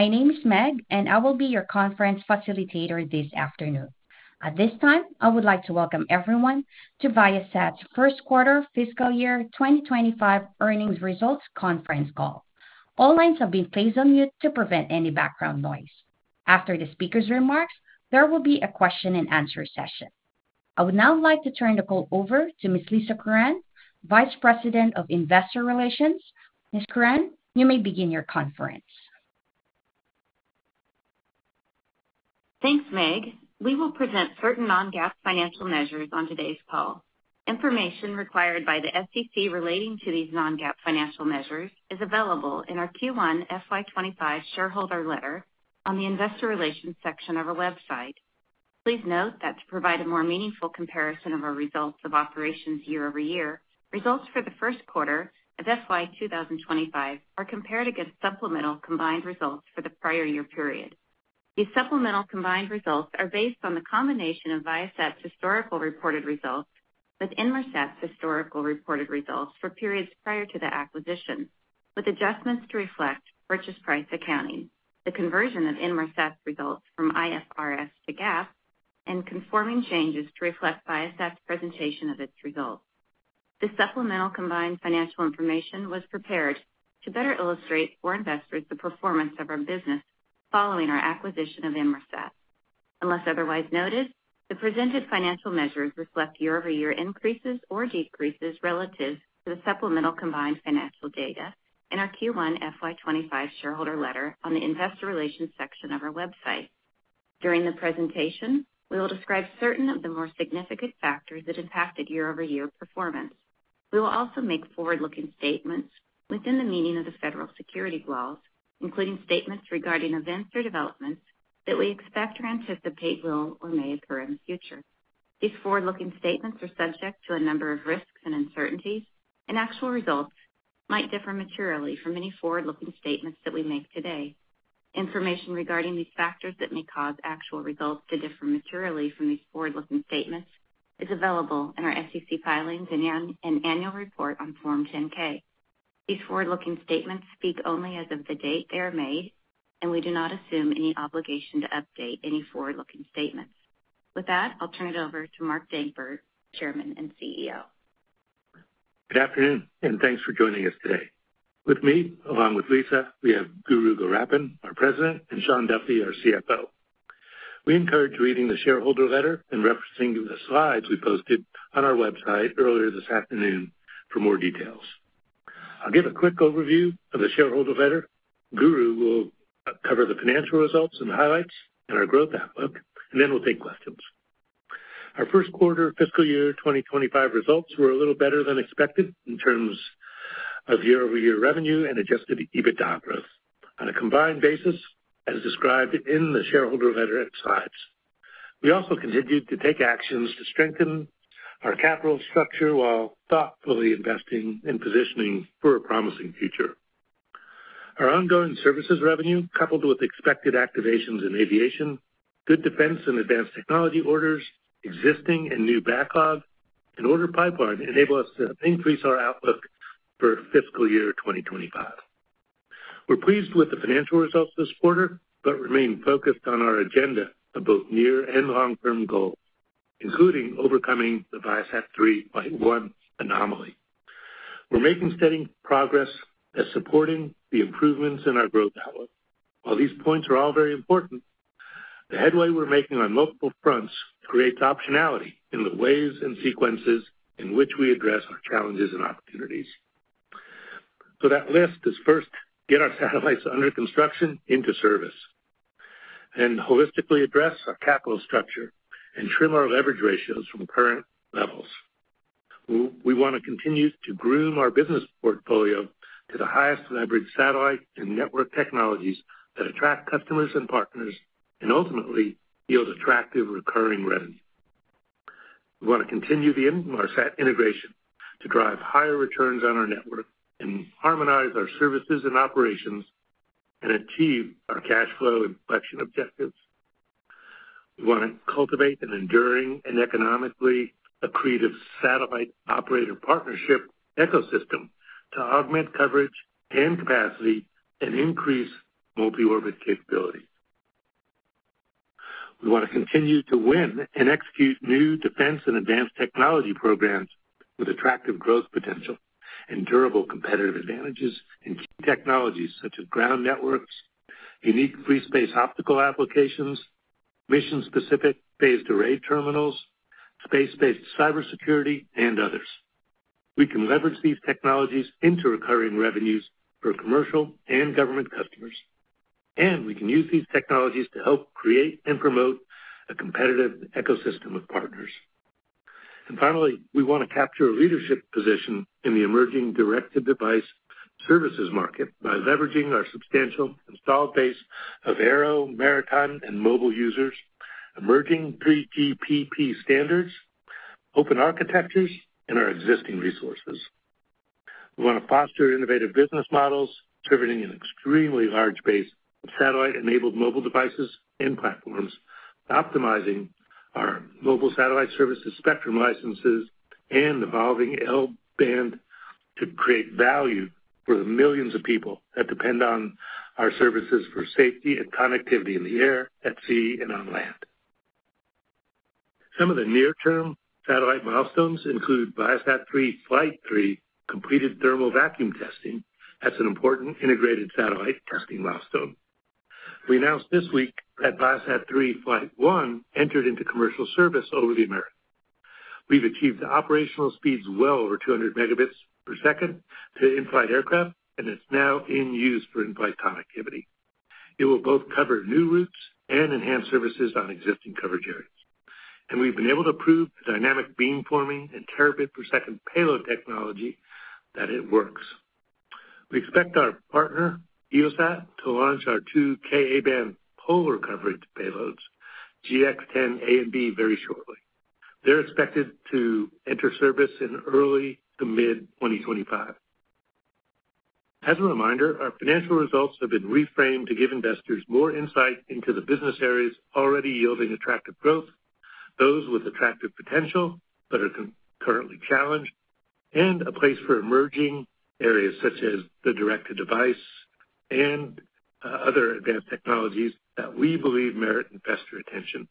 My name is Meg, and I will be your conference facilitator this afternoon. At this time, I would like to welcome everyone to Viasat's first quarter fiscal year 2025 earnings results conference call. All lines have been placed on mute to prevent any background noise. After the speaker's remarks, there will be a question and answer session. I would now like to turn the call over to Ms. Lisa Curran, Vice President of Investor Relations. Ms. Curran, you may begin your conference. Thanks, Meg. We will present certain non-GAAP financial measures on today's call. Information required by the SEC relating to these non-GAAP financial measures is available in our Q1 FY25 shareholder letter on the Investor Relations section of our website. Please note that to provide a more meaningful comparison of our results of operations year-over-year, results for the first quarter of FY25 are compared against supplemental combined results for the prior year period. These supplemental combined results are based on the combination of Viasat's historical reported results with Inmarsat's historical reported results for periods prior to the acquisition, with adjustments to reflect purchase price accounting, the conversion of Inmarsat's results from IFRS to GAAP, and conforming changes to reflect Viasat's presentation of its results. This supplemental combined financial information was prepared to better illustrate for investors the performance of our business following our acquisition of Inmarsat. Unless otherwise noted, the presented financial measures reflect year-over-year increases or decreases relative to the supplemental combined financial data in our Q1 FY25 shareholder letter on the Investor Relations section of our website. During the presentation, we will describe certain of the more significant factors that impacted year-over-year performance. We will also make forward-looking statements within the meaning of the federal securities laws, including statements regarding events or developments that we expect or anticipate will or may occur in the future. These forward-looking statements are subject to a number of risks and uncertainties, and actual results might differ materially from any forward-looking statements that we make today. Information regarding these factors that may cause actual results to differ materially from these forward-looking statements is available in our SEC filings and annual report on Form 10-K. These forward-looking statements speak only as of the date they are made, and we do not assume any obligation to update any forward-looking statements. With that, I'll turn it over to Mark Dankberg, Chairman and CEO. Good afternoon, and thanks for joining us today. With me, along with Lisa, we have Guru Gowrappan, our President, and Shawn Duffy, our CFO. We encourage reading the shareholder letter and referencing the slides we posted on our website earlier this afternoon for more details. I'll give a quick overview of the shareholder letter. Guru will cover the financial results and highlights in our growth outlook, and then we'll take questions. Our first quarter fiscal year 2025 results were a little better than expected in terms of year-over-year revenue and adjusted EBITDA growth on a combined basis as described in the shareholder letter and slides. We also continued to take actions to strengthen our capital structure while thoughtfully investing and positioning for a promising future. Our ongoing services revenue, coupled with expected activations in Aviation, good Defense and Advanced Technology orders, existing and new backlog, and order pipeline enable us to increase our outlook for fiscal year 2025. We're pleased with the financial results this quarter, but remain focused on our agenda of both near and long-term goals, including overcoming the Viasat-3 F1 anomaly. We're making steady progress as supporting the improvements in our growth outlook. While these points are all very important, the headway we're making on multiple fronts creates optionality in the ways and sequences in which we address our challenges and opportunities. So that list is first, get our satellites under construction into service, and holistically address our capital structure and trim our leverage ratios from current levels. We want to continue to groom our business portfolio to the highest leverage satellite and network technologies that attract customers and partners and ultimately yield attractive recurring revenue. We want to continue the Inmarsat integration to drive higher returns on our network and harmonize our services and operations and achieve our cash flow inflection objectives. We want to cultivate an enduring and economically accretive satellite operator partnership ecosystem to augment coverage and capacity and increase multi-orbit capability. We want to continue to win and execute new Defense and Advanced Technology programs with attractive growth potential and durable competitive advantages and key technologies such as ground networks, unique free space optical applications, mission-specific phased array terminals, space-based cybersecurity, and others. We can leverage these technologies into recurring revenues for commercial and government customers, and we can use these technologies to help create and promote a competitive ecosystem of partners. Finally, we want to capture a leadership position in the emerging direct-to-device services market by leveraging our substantial installed base of aero, Maritime, and mobile users, emerging 3GPP standards, open architectures, and our existing resources. We want to foster innovative business models serving an extremely large base of satellite-enabled mobile devices and platforms, optimizing our mobile satellite services spectrum licenses and evolving L-band to create value for the millions of people that depend on our services for safety and connectivity in the air, at sea, and on land. Some of the near-term satellite milestones include Viasat-3 Flight 3 completed thermal vacuum testing. That's an important integrated satellite testing milestone. We announced this week that Viasat-3 Flight 1 entered into commercial service over the Americas. We've achieved operational speeds well over 200 Mbps to in-flight aircraft, and it's now in use for in-flight connectivity. It will both cover new routes and enhance services on existing coverage areas. We've been able to prove dynamic beamforming and terabit per second payload technology that it works. We expect our partner, Heosat, to launch our two Ka-band polar coverage payloads, GX10A and GX10B, very shortly. They're expected to enter service in early to mid-2025. As a reminder, our financial results have been reframed to give investors more insight into the business areas already yielding attractive growth, those with attractive potential but are currently challenged, and a place for emerging areas such as the direct-to-device and other Advanced Technologies that we believe merit investor attention.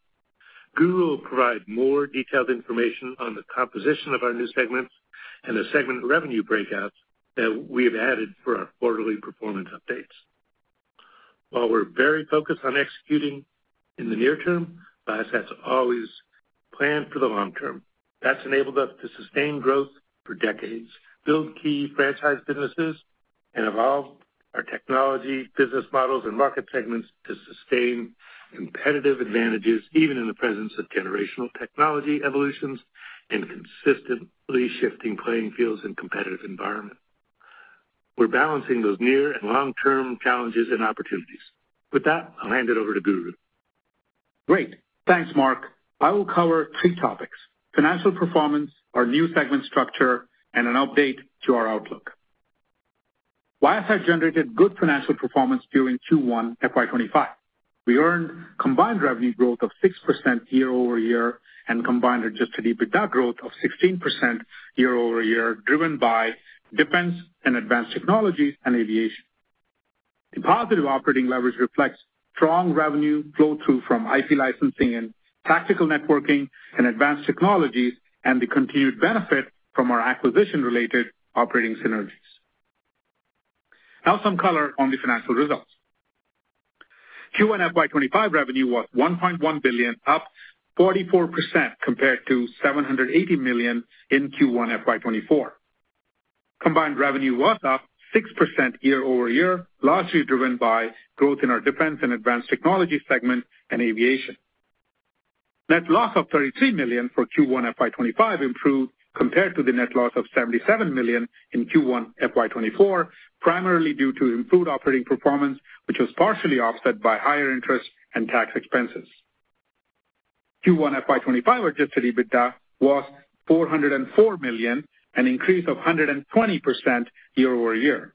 Guru will provide more detailed information on the composition of our new segments and the segment revenue breakouts that we have added for our quarterly performance updates. While we're very focused on executing in the near term, Viasat's always planned for the long term. That's enabled us to sustain growth for decades, build key franchise businesses, and evolve our technology, business models, and market segments to sustain competitive advantages even in the presence of generational technology evolutions and consistently shifting playing fields and competitive environment. We're balancing those near and long-term challenges and opportunities. With that, I'll hand it over to Guru. Great. Thanks, Mark. I will cover three topics: financial performance, our new segment structure, and an update to our outlook. Viasat generated good financial performance during Q1 FY25. We earned combined revenue growth of 6% year-over-year and combined adjusted EBITDA growth of 16% year-over-year, driven by Defense and Advanced Technologies and Aviation. The positive operating leverage reflects strong revenue flow-through from IP licensing and Tactical Networking and Advanced Technologies, and the continued benefit from our acquisition-related operating synergies. Now, some color on the financial results. Q1 FY25 revenue was $1.1 billion, up 44% compared to $780 million in Q1 FY24. Combined revenue was up 6% year-over-year, largely driven by growth in our Defense and Advanced Technology segment and Aviation. Net loss of $33 million for Q1 FY25 improved compared to the net loss of $77 million in Q1 FY24, primarily due to improved operating performance, which was partially offset by higher interest and tax expenses. Q1 FY25 adjusted EBITDA was $404 million, an increase of 120% year-over-year.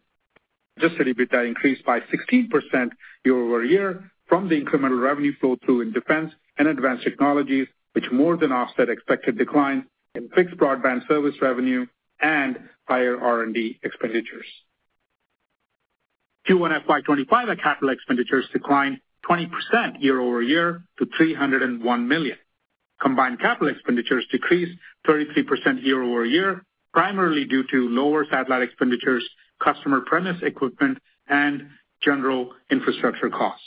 Adjusted EBITDA increased by 16% year-over-year from the incremental revenue flow-through in Defense and Advanced Technologies, which more than offset expected declines in fixed broadband service revenue and higher R&D expenditures. Q1 FY25 capital expenditures declined 20% year-over-year to $301 million. Combined capital expenditures decreased 33% year-over-year, primarily due to lower satellite expenditures, customer premise equipment, and general infrastructure costs.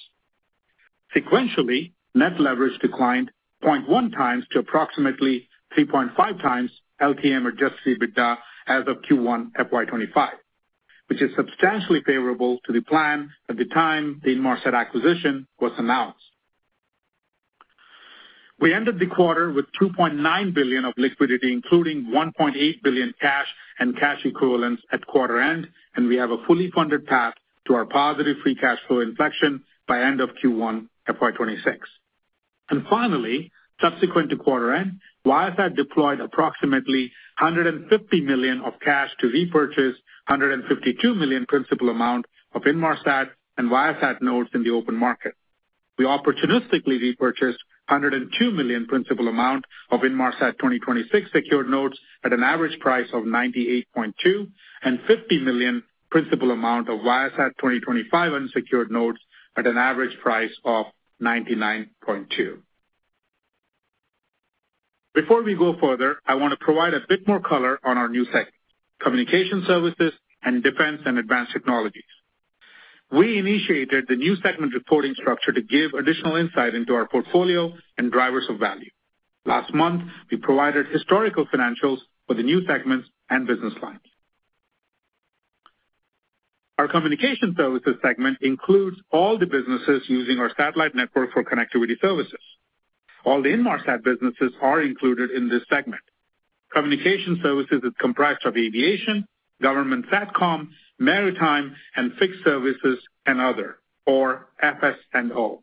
Sequentially, net leverage declined 0.1x to approximately 3.5x LTM adjusted EBITDA as of Q1 FY25, which is substantially favorable to the plan at the time the Inmarsat acquisition was announced. We ended the quarter with $2.9 billion of liquidity, including $1.8 billion cash and cash equivalents at quarter end, and we have a fully funded path to our positive free cash flow inflection by end of Q1 FY26. Finally, subsequent to quarter end, Viasat deployed approximately $150 million of cash to repurchase $152 million principal amount of Inmarsat and Viasat notes in the open market. We opportunistically repurchased $102 million principal amount of Inmarsat 2026 secured notes at an average price of 98.2, and $50 million principal amount of Viasat 2025 unsecured notes at an average price of 99.2. Before we go further, I want to provide a bit more color on our new segment: Communication Services and Defense and Advanced Technologies. We initiated the new segment reporting structure to give additional insight into our portfolio and drivers of value. Last month, we provided historical financials for the new segments and business lines. Our Communication Services segment includes all the businesses using our satellite network for connectivity services. All the Inmarsat businesses are included in this segment. Communication Services is comprised of Aviation, Government Satcom, Maritime, and Fixed Services and Other, or FS&O.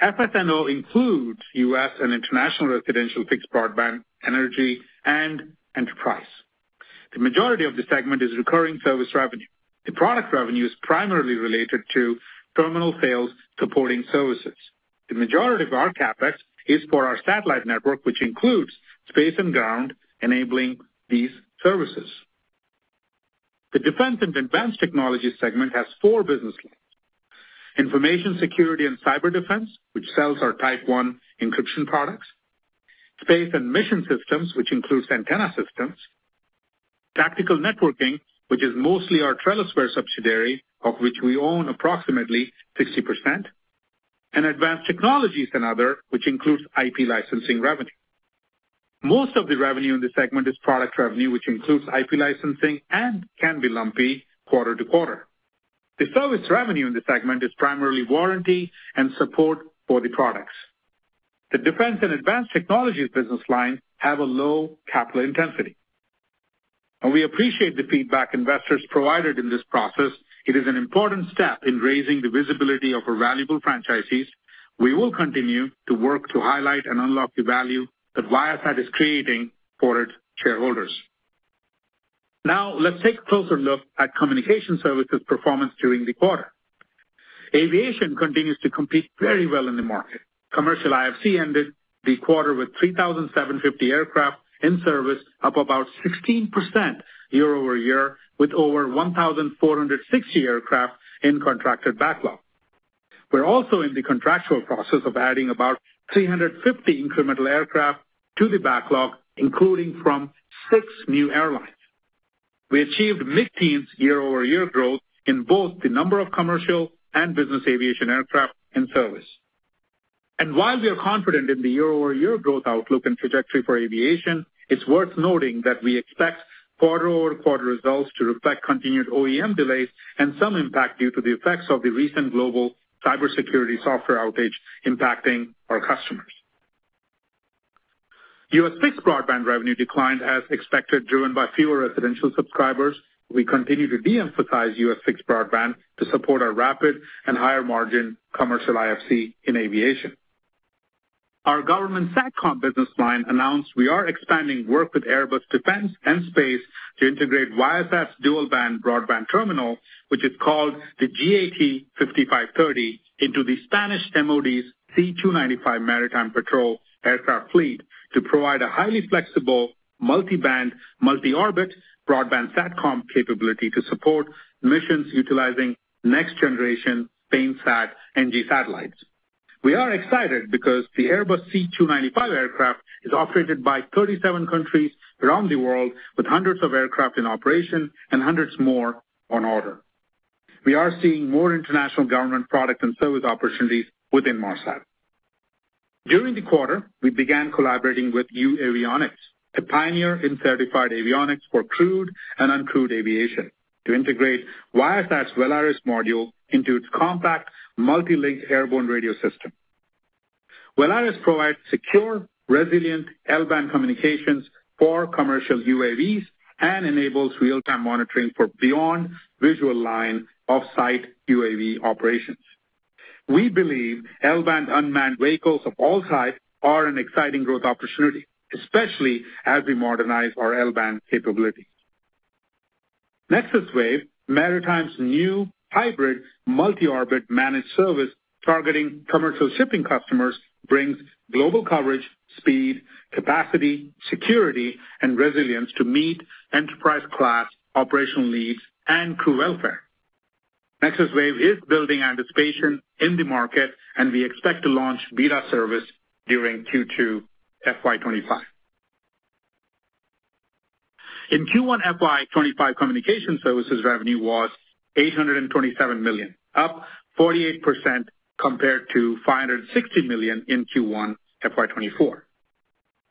FS&O includes U.S. and international residential fixed broadband energy and enterprise. The majority of the segment is recurring service revenue. The product revenue is primarily related to terminal sales supporting services. The majority of our CapEx is for our satellite network, which includes space and ground enabling these services. The Defense and Advanced Technology segment has four business lines: Information Security and Cyber Defense, which sells our Type 1 encryption products. Space and Mission Systems, which includes antenna Tactical Networking, which is mostly our TrellisWare subsidiary, of which we own approximately 60%. Advanced Technologies and Other, which includes IP licensing revenue. Most of the revenue in the segment is product revenue, which includes IP licensing and can be lumpy quarter to quarter. The service revenue in the segment is primarily warranty and support for the products. The Defense and Advanced Technologies business lines have a low capital intensity. We appreciate the feedback investors provided in this process. It is an important step in raising the visibility of our valuable franchisees. We will continue to work to highlight and unlock the value that Viasat is creating for its shareholders. Now, let's take a closer look at Communication Services performance during the quarter. Aviation continues to compete very well in the market. Commercial IFC ended the quarter with 3,750 aircraft in service, up about 16% year-over-year, with over 1,460 aircraft in contracted backlog. We're also in the contractual process of adding about 350 incremental aircraft to the backlog, including from six new airlines. We achieved mid-teens year-over-year growth in both the number of commercial and business Aviation aircraft in service. While we are confident in the year-over-year growth outlook and trajectory for Aviation, it's worth noting that we expect quarter-over-quarter results to reflect continued OEM delays and some impact due to the effects of the recent global cybersecurity software outage impacting our customers. U.S. fixed broadband revenue declined as expected, driven by fewer residential subscribers. We continue to de-emphasize US fixed broadband to support our rapid and higher margin commercial IFC in Aviation. Our Government Satcom business line announced we are expanding work with Airbus Defence and Space to integrate Viasat's dual-band broadband terminal, which is called the GAT-5530, into the Spanish MOD's C295 Maritime patrol aircraft fleet to provide a highly flexible multi-band, multi-orbit broadband satcom capability to support missions utilizing next-generation SpainSat NG satellites. We are excited because the Airbus C295 aircraft is operated by 37 countries around the world, with hundreds of aircraft in operation and hundreds more on order. We are seeing more international government product and service opportunities with Inmarsat. During the quarter, we began collaborating with uAvionix, a pioneer in certified avionics for crewed and uncrewed Aviation, to integrate Viasat's Velaris module into its compact multi-link airborne radio system. Velaris provides secure, resilient L-band communications for commercial UAVs and enables real-time monitoring for beyond visual line of sight UAV operations. We believe L-band unmanned vehicles of all type are an exciting growth opportunity, especially as we modernize our L-band capability. NexusWave, Maritime's new hybrid multi-orbit managed service targeting commercial shipping customers, brings global coverage, speed, capacity, security, and resilience to meet enterprise-class operational needs and crew welfare. NexusWave is building anticipation in the market, and we expect to launch beta service during Q2 FY25. In Q1 FY25, Communication Services revenue was $827 million, up 48% compared to $560 million in Q1 FY24.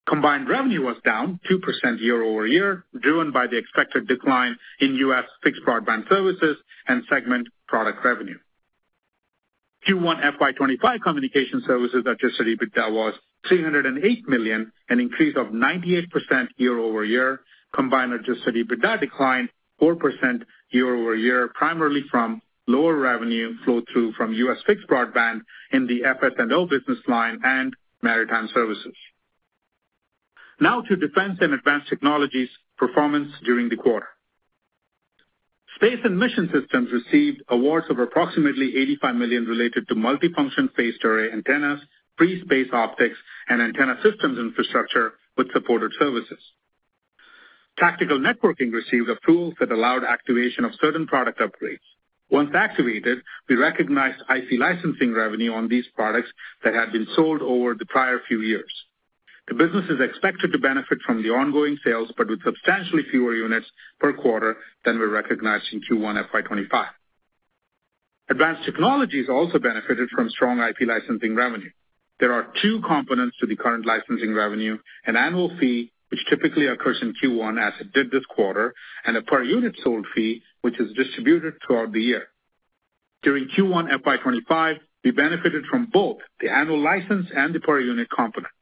Combined revenue was down 2% year-over-year, driven by the expected decline in U.S. fixed broadband services and segment product revenue. Q1 FY25, Communication Services adjusted EBITDA was $308 million, an increase of 98% year-over-year. Combined adjusted EBITDA declined 4% year-over-year, primarily from lower revenue flow-through from US fixed broadband in the FS&O business line and Maritime services. Now to Defense and Advanced Technologies performance during the quarter. Space and Mission Systems received awards of approximately $85 million related to multifunction phased array antennas, free-space optics, and antenna systems infrastructure with supported Tactical Networking received approvals that allowed activation of certain product upgrades. Once activated, we recognized IP licensing revenue on these products that had been sold over the prior few years. The business is expected to benefit from the ongoing sales, but with substantially fewer units per quarter than we recognized in Q1 FY25. Advanced Technologies also benefited from strong IP licensing revenue. There are two components to the current licensing revenue: an annual fee, which typically occurs in Q1 as it did this quarter, and a per-unit sold fee, which is distributed throughout the year. During Q1 FY25, we benefited from both the annual license and the per-unit component.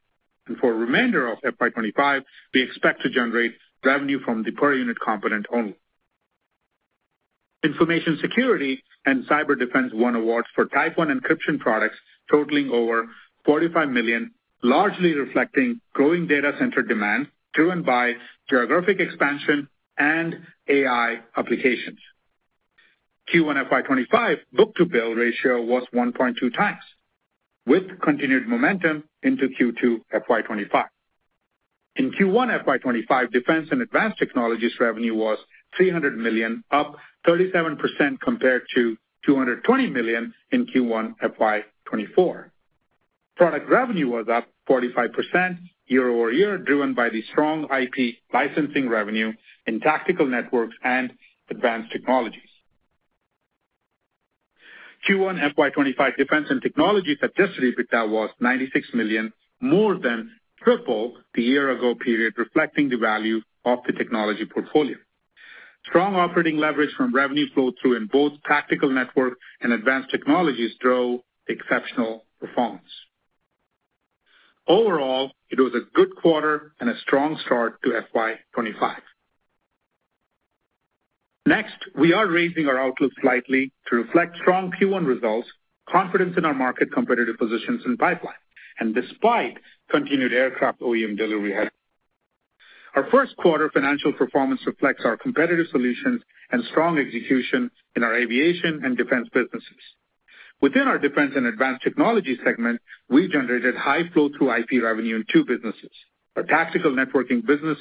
For the remainder of FY25, we expect to generate revenue from the per-unit component only. Information Security and Cyber Defense won awards for Type 1 encryption products totaling over $45 million, largely reflecting growing data center demand driven by geographic expansion and AI applications. Q1 FY25, book-to-bill ratio was 1.2 times, with continued momentum into Q2 FY25. In Q1 FY25, Defense and Advanced Technologies revenue was $300 million, up 37% compared to $220 million in Q1 FY24. Product revenue was up 45% year-over-year, driven by the strong IP licensing revenue in tactical networks and Advanced Technologies. Q1 FY25, Defense and Technologies adjusted EBITDA was $96 million, more than triple the year-ago period, reflecting the value of the technology portfolio. Strong operating leverage from revenue flow-through in both tactical network and Advanced Technologies drove exceptional performance. Overall, it was a good quarter and a strong start to FY25. Next, we are raising our outlook slightly to reflect strong Q1 results, confidence in our market competitive positions in pipeline, and despite continued aircraft OEM delivery headlines. Our first quarter financial performance reflects our competitive solutions and strong execution in our Aviation and defense businesses. Within our Defense and Advanced Technology segment, we generated high flow-through IP revenue in two businesses. Tactical Networking business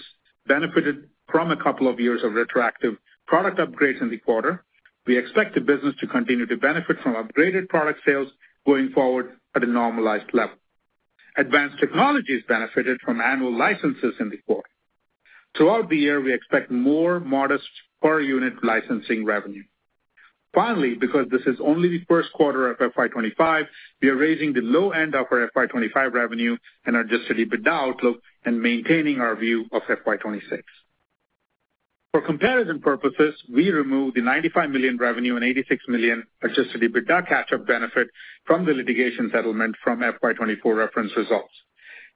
benefited from a couple of years of retroactive product upgrades in the quarter. We expect the business to continue to benefit from upgraded product sales going forward at a normalized level. Advanced Technologies benefited from annual licenses in the quarter. Throughout the year, we expect more modest per-unit licensing revenue. Finally, because this is only the first quarter of FY25, we are raising the low end of our FY25 revenue and adjusted EBITDA outlook and maintaining our view of FY26. For comparison purposes, we removed the $95 million revenue and $86 million adjusted EBITDA catch-up benefit from the litigation settlement from FY24 reference results.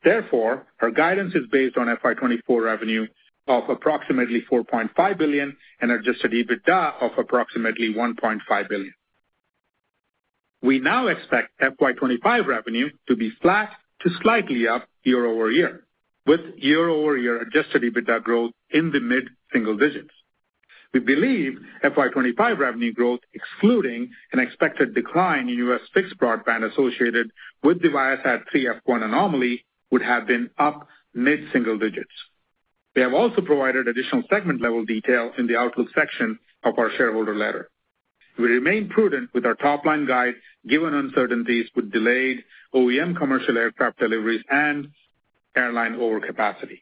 Therefore, our guidance is based on FY24 revenue of approximately $4.5 billion and adjusted EBITDA of approximately $1.5 billion. We now expect FY25 revenue to be flat to slightly up year-over-year, with year-over-year adjusted EBITDA growth in the mid-single digits. We believe FY25 revenue growth, excluding an expected decline in U.S. fixed broadband associated with the Viasat-3 F1 anomaly, would have been up mid-single digits. We have also provided additional segment-level detail in the outlook section of our shareholder letter. We remain prudent with our top-line guide given uncertainties with delayed OEM commercial aircraft deliveries and airline overcapacity.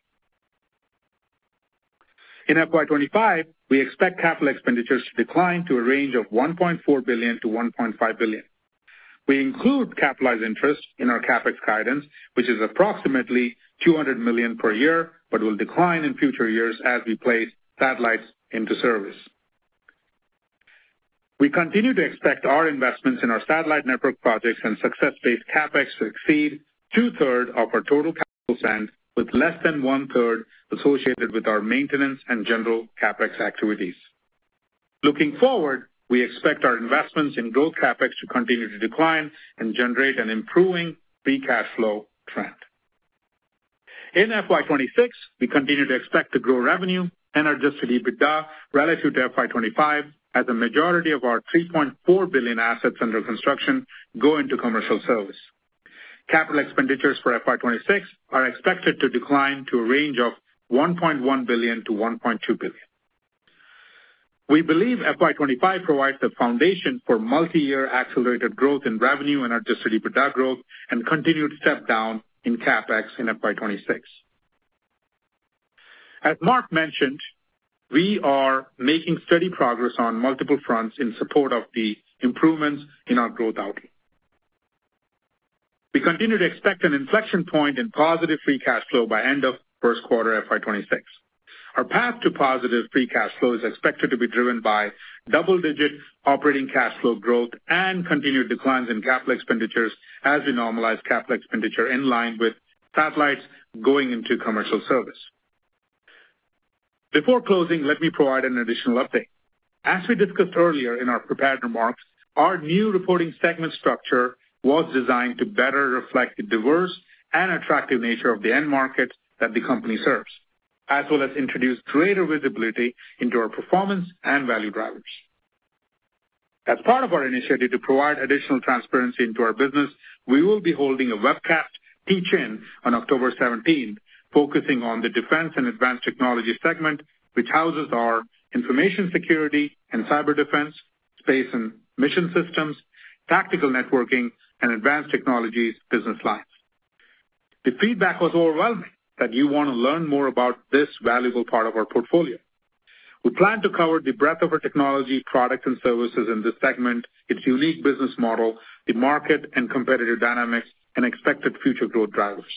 In FY25, we expect capital expenditures to decline to a range of $1.4 billion-$1.5 billion. We include capitalized interest in our CapEx guidance, which is approximately $200 million per year, but will decline in future years as we place satellites into service. We continue to expect our investments in our satellite network projects and success-based CapEx to exceed two-thirds of our total capital spend, with less than one-third associated with our maintenance and general CapEx activities. Looking forward, we expect our investments in growth CapEx to continue to decline and generate an improving free cash flow trend. In FY26, we continue to expect to grow revenue and adjusted EBITDA relative to FY25 as a majority of our $3.4 billion assets under construction go into commercial service. Capital expenditures for FY26 are expected to decline to a range of $1.1 billion-$1.2 billion. We believe FY25 provides the foundation for multi-year accelerated growth in revenue and adjusted EBITDA growth and continued step-down in CapEx in FY26. As Mark mentioned, we are making steady progress on multiple fronts in support of the improvements in our growth outlook. We continue to expect an inflection point in positive free cash flow by end of first quarter FY26. Our path to positive free cash flow is expected to be driven by double-digit operating cash flow growth and continued declines in capital expenditures as we normalize capital expenditure in line with satellites going into commercial service. Before closing, let me provide an additional update. As we discussed earlier in our prepared remarks, our new reporting segment structure was designed to better reflect the diverse and attractive nature of the end markets that the company serves, as well as introduce greater visibility into our performance and value drivers. As part of our initiative to provide additional transparency into our business, we will be holding a webcast teach-in on October 17, focusing on the Defense and Advanced Technology segment, which houses our Information Security and Cyber Defense, Space and Mission Systems Tactical Networking, and Advanced Technologies business lines. The feedback was overwhelming that you want to learn more about this valuable part of our portfolio. We plan to cover the breadth of our technology products and services in this segment, its unique business model, the market and competitive dynamics, and expected future growth drivers.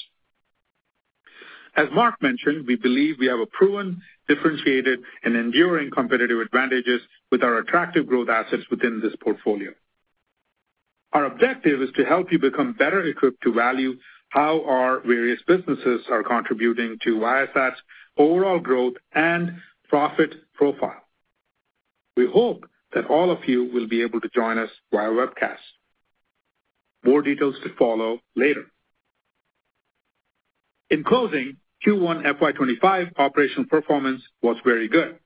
As Mark mentioned, we believe we have a proven, differentiated, and enduring competitive advantages with our attractive growth assets within this portfolio. Our objective is to help you become better equipped to value how our various businesses are contributing to Viasat's overall growth and profit profile. We hope that all of you will be able to join us via webcast. More details to follow later. In closing, Q1 FY25 operational performance was very good.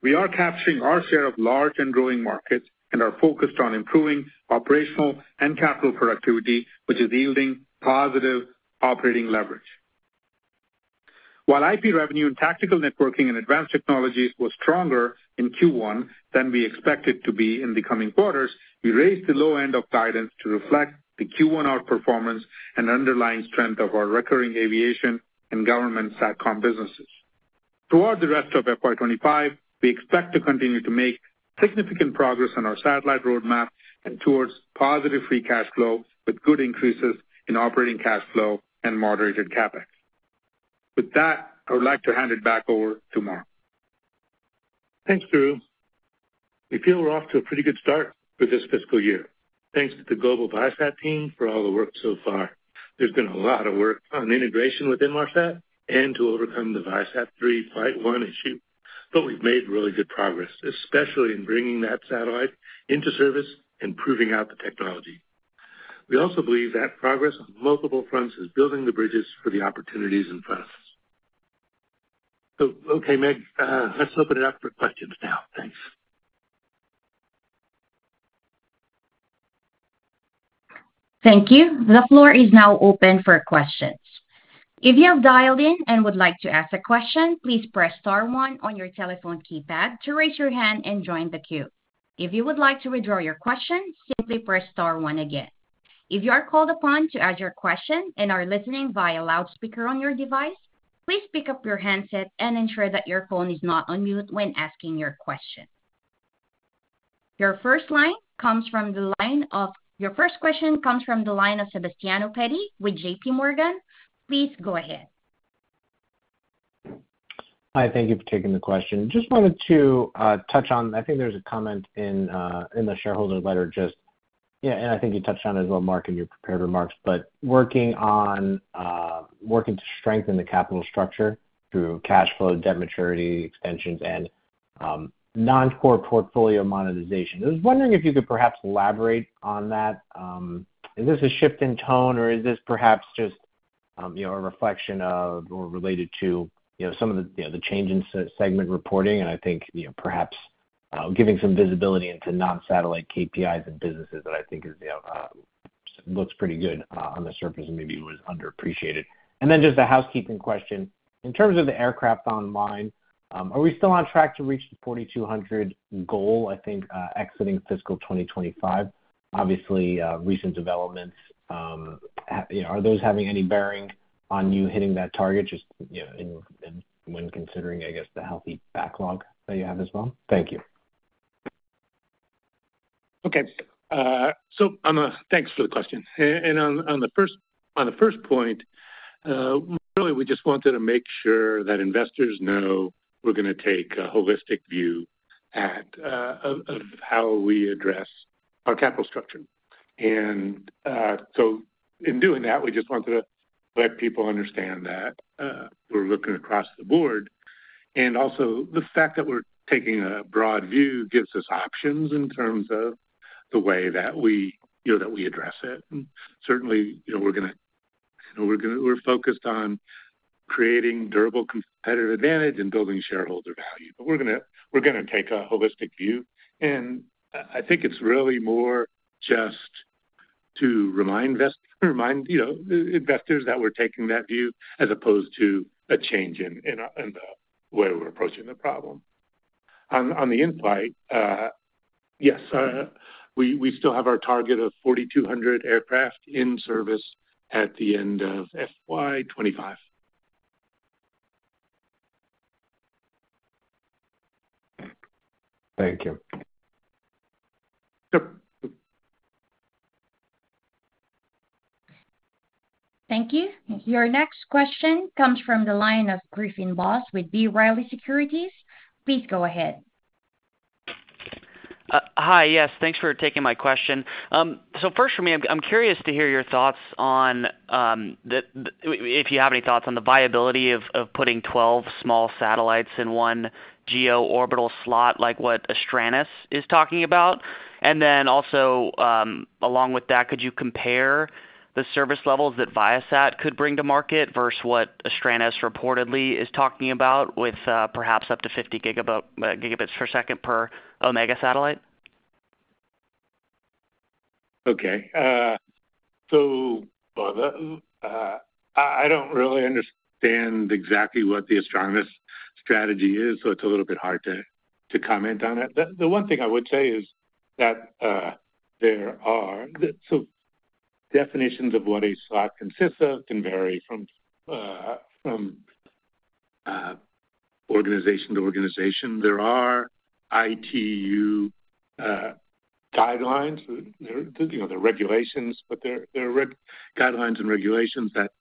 We are capturing our share of large and growing markets and are focused on improving operational and capital productivity, which is yielding positive operating leverage. While IP revenue Tactical Networking and Advanced Technologies were stronger in Q1 than we expected to be in the coming quarters, we raised the low end of guidance to reflect the Q1 outperformance and underlying strength of our recurring Aviation and Government Satcom businesses. Throughout the rest of FY25, we expect to continue to make significant progress on our satellite roadmap and towards positive free cash flow with good increases in operating cash flow and moderated CapEx. With that, I would like to hand it back over to Mark. Thanks, Guru. We feel we're off to a pretty good start with this fiscal year. Thanks to the global Viasat team for all the work so far. There's been a lot of work on integration within Viasat and to overcome the Viasat-3 Flight 1 issue, but we've made really good progress, especially in bringing that satellite into service and proving out the technology. We also believe that progress on multiple fronts is building the bridges for the opportunities in front of us. Okay, Meg, let's open it up for questions now. Thanks. Thank you. The floor is now open for questions. If you have dialed in and would like to ask a question, please press star one on your telephone keypad to raise your hand and join the queue. If you would like to withdraw your question, simply press star one again. If you are called upon to ask your question and are listening via loudspeaker on your device, please pick up your handset and ensure that your phone is not on mute when asking your question. Your first question comes from the line of Sebastiano Petti with J.P. Morgan. Please go ahead. Hi, thank you for taking the question. Just wanted to touch on, I think there's a comment in the shareholder letter just, and I think you touched on it as well, Mark, in your prepared remarks, but working to strengthen the capital structure through cash flow, debt maturity extensions, and non-core portfolio monetization. I was wondering if you could perhaps elaborate on that. Is this a shift in tone, or is this perhaps just a reflection of or related to some of the change in segment reporting? And I think perhaps giving some visibility into non-satellite KPIs and businesses that I think looks pretty good on the surface and maybe was underappreciated. And then just a housekeeping question. In terms of the aircraft online, are we still on track to reach the 4,200 goal, I think, exiting fiscal 2025? Obviously, recent developments, are those having any bearing on you hitting that target just when considering, I guess, the healthy backlog that you have as well? Thank you. Okay. So thanks for the question. And on the first point, really, we just wanted to make sure that investors know we're going to take a holistic view of how we address our capital structure. And so in doing that, we just wanted to let people understand that we're looking across the board. And also, the fact that we're taking a broad view gives us options in terms of the way that we address it. And certainly, we're going to, we're focused on creating durable competitive advantage and building shareholder value. But we're going to take a holistic view. I think it's really more just to remind investors that we're taking that view as opposed to a change in the way we're approaching the problem. On the inside, yes, we still have our target of 4,200 aircraft in service at the end of FY25. Thank you. Thank you. Your next question comes from the line of Griffin Boss with B. Riley Securities. Please go ahead. Hi, yes. Thanks for taking my question. So first for me, I'm curious to hear your thoughts on if you have any thoughts on the viability of putting 12 small satellites in one GEO orbital slot like what Astranis is talking about. And then also, along with that, could you compare the service levels that Viasat could bring to market versus what Astranis reportedly is talking about with perhaps up to 50 Gbps per Omega satellite? Okay. So I don't really understand exactly what the Astranis strategy is, so it's a little bit hard to comment on it. The one thing I would say is that there are definitions of what a slot consists of can vary from organization to organization. There are ITU guidelines, the regulations, but there are guidelines and regulations that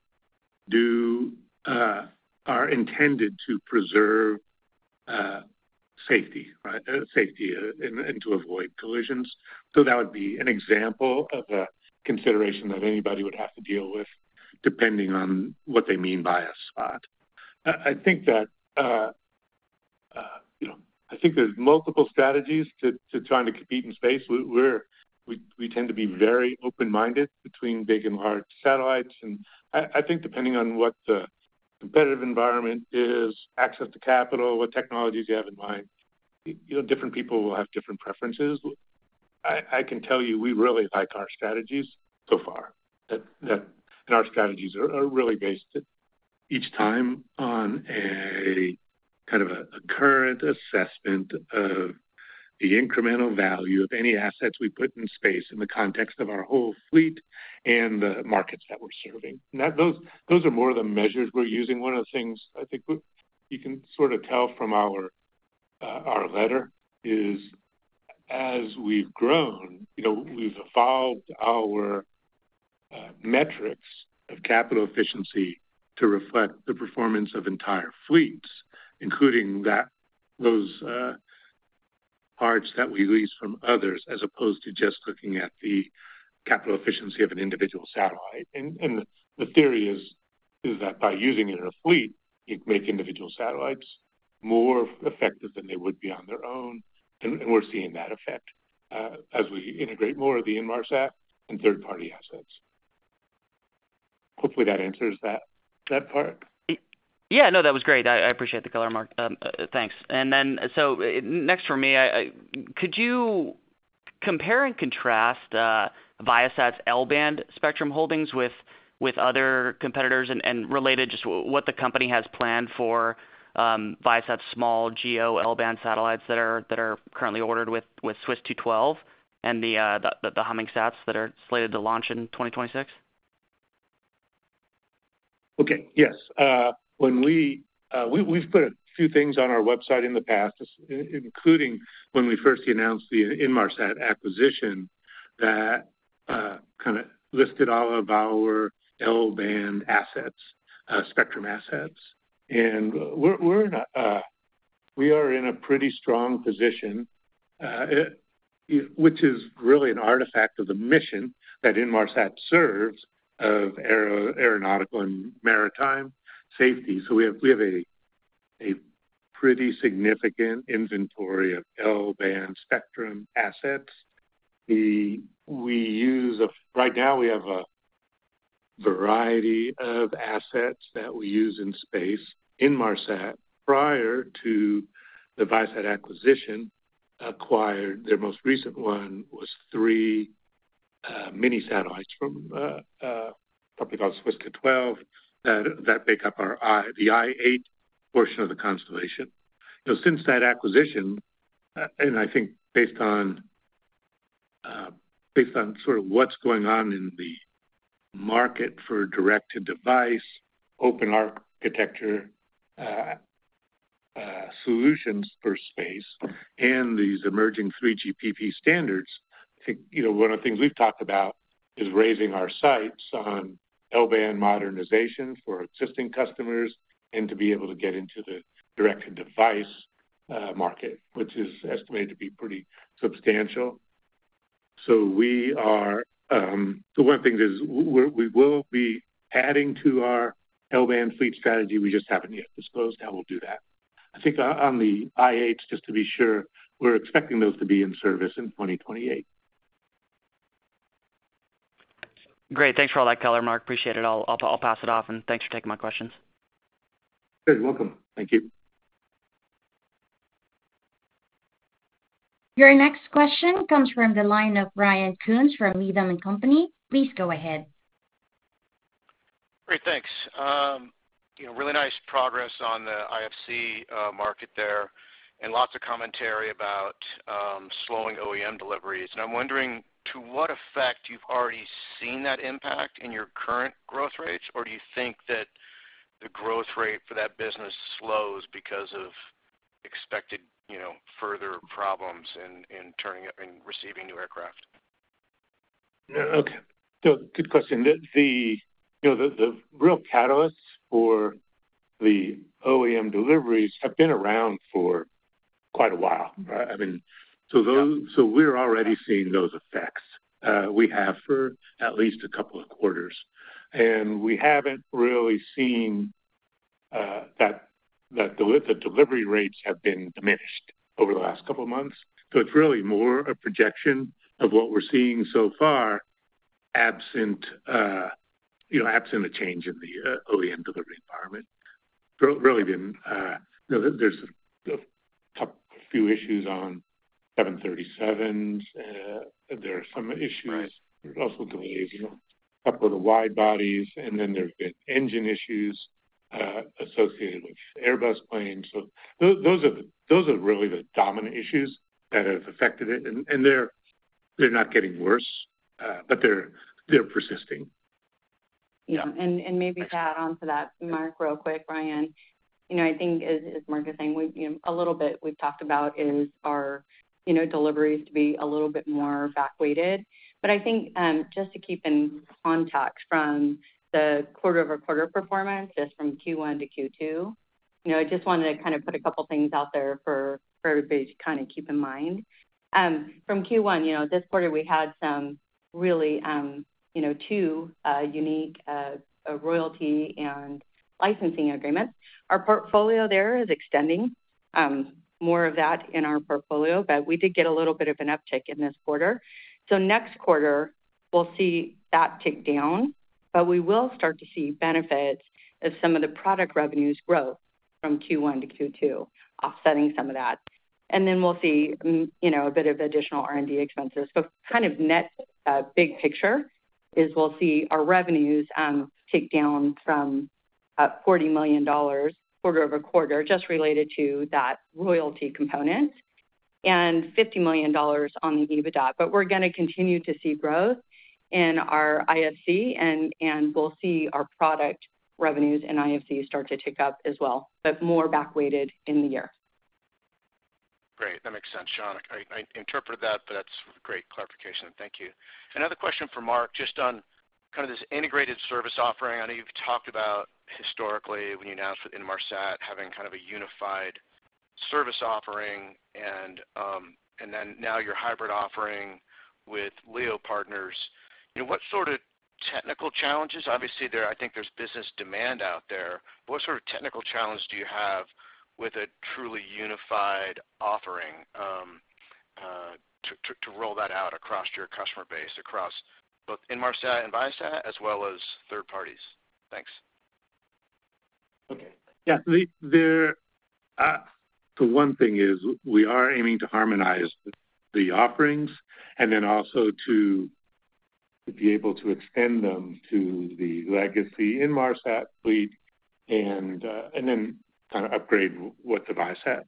are intended to preserve safety and to avoid collisions. So that would be an example of a consideration that anybody would have to deal with depending on what they mean by a slot. I think that I think there's multiple strategies to trying to compete in space. We tend to be very open-minded between big and large satellites. And I think depending on what the competitive environment is, access to capital, what technologies you have in mind, different people will have different preferences. I can tell you we really like our strategies so far. Our strategies are really based each time on a kind of a current assessment of the incremental value of any assets we put in space in the context of our whole fleet and the markets that we're serving. Those are more of the measures we're using. One of the things I think you can sort of tell from our letter is as we've grown, we've evolved our metrics of capital efficiency to reflect the performance of entire fleets, including those parts that we lease from others as opposed to just looking at the capital efficiency of an individual satellite. The theory is that by using it in a fleet, you can make individual satellites more effective than they would be on their own. And we're seeing that effect as we integrate more of the Inmarsat and third-party assets. Hopefully, that answers that part. Yeah, no, that was great. I appreciate the color, Mark. Thanks. And then so next for me, could you compare and contrast Viasat's L-band spectrum holdings with other competitors and related just what the company has planned for Viasat's small geo L-band satellites that are currently ordered with SWISSto12 and the HummingSats that are slated to launch in 2026? Okay. Yes. We've put a few things on our website in the past, including when we first announced the Inmarsat acquisition that kind of listed all of our L-band assets, spectrum assets. And we are in a pretty strong position, which is really an artifact of the mission that Inmarsat serves of aeronautical and Maritime safety. So we have a pretty significant inventory of L-band spectrum assets. Right now, we have a variety of assets that we use in space in Inmarsat. Prior to the Viasat acquisition, their most recent one was three mini satellites from a company called SWISSto12 that make up the I-8 portion of the constellation. Since that acquisition, and I think based on sort of what's going on in the market for direct-to-device, open architecture solutions for space, and these emerging 3GPP standards, I think one of the things we've talked about is raising our sights on L-band modernization for existing customers and to be able to get into the direct-to-device market, which is estimated to be pretty substantial. So one of the things is we will be adding to our L-band fleet strategy. We just haven't yet disclosed how we'll do that. I think on the I-8, just to be sure, we're expecting those to be in service in 2028. Great. Thanks for all that color, Mark. Appreciate it. I'll pass it off. And thanks for taking my questions. You're welcome. Thank you. Your next question comes from the line of Ryan Koontz from Needham & Company. Please go ahead. Great. Thanks. Really nice progress on the IFC market there and lots of commentary about slowing OEM deliveries. And I'm wondering to what effect you've already seen that impact in your current growth rates, or do you think that the growth rate for that business slows because of expected further problems in receiving new aircraft? Okay. So good question. The real catalysts for the OEM deliveries have been around for quite a while. I mean, so we're already seeing those effects. We have for at least a couple of quarters. And we haven't really seen that the delivery rates have been diminished over the last couple of months. So it's really more a projection of what we're seeing so far, absent a change in the OEM delivery environment. Really, there's a few issues on 737s. There are some issues also with the wide bodies. And then there have been engine issues associated with Airbus planes. So those are really the dominant issues that have affected it. And they're not getting worse, but they're persisting. Yeah. And maybe to add on to that, Mark, real quick, Ryan, I think, as Mark is saying, a little bit we've talked about is our deliveries to be a little bit more backweighted. But I think just to keep in contact from the quarter-over-quarter performance just from Q1 to Q2, I just wanted to kind of put a couple of things out there for everybody to kind of keep in mind. From Q1, this quarter, we had some really two unique royalty and licensing agreements. Our portfolio there is extending more of that in our portfolio, but we did get a little bit of an uptick in this quarter. So next quarter, we'll see that tick down, but we will start to see benefits as some of the product revenues grow from Q1 to Q2, offsetting some of that. And then we'll see a bit of additional R&D expenses. But kind of net big picture is we'll see our revenues tick down from $40 million quarter over quarter, just related to that royalty component, and $50 million on the EBITDA. But we're going to continue to see growth in our IFC, and we'll see our product revenues in IFC start to tick up as well, but more backweighted in the year. Great. That makes sense, Shawn. I interpreted that, but that's great clarification. Thank you. Another question for Mark, just on kind of this integrated service offering. I know you've talked about historically when you announced with Inmarsat having kind of a unified service offering, and then now your hybrid offering with Leo Partners. What sort of technical challenges? Obviously, I think there's business demand out there. What sort of technical challenge do you have with a truly unified offering to roll that out across your customer base, across both Inmarsat and Viasat, as well as third parties? Thanks. Okay. Yeah. So one thing is we are aiming to harmonize the offerings and then also to be able to extend them to the legacy Inmarsat fleet and then kind of upgrade what the Viasat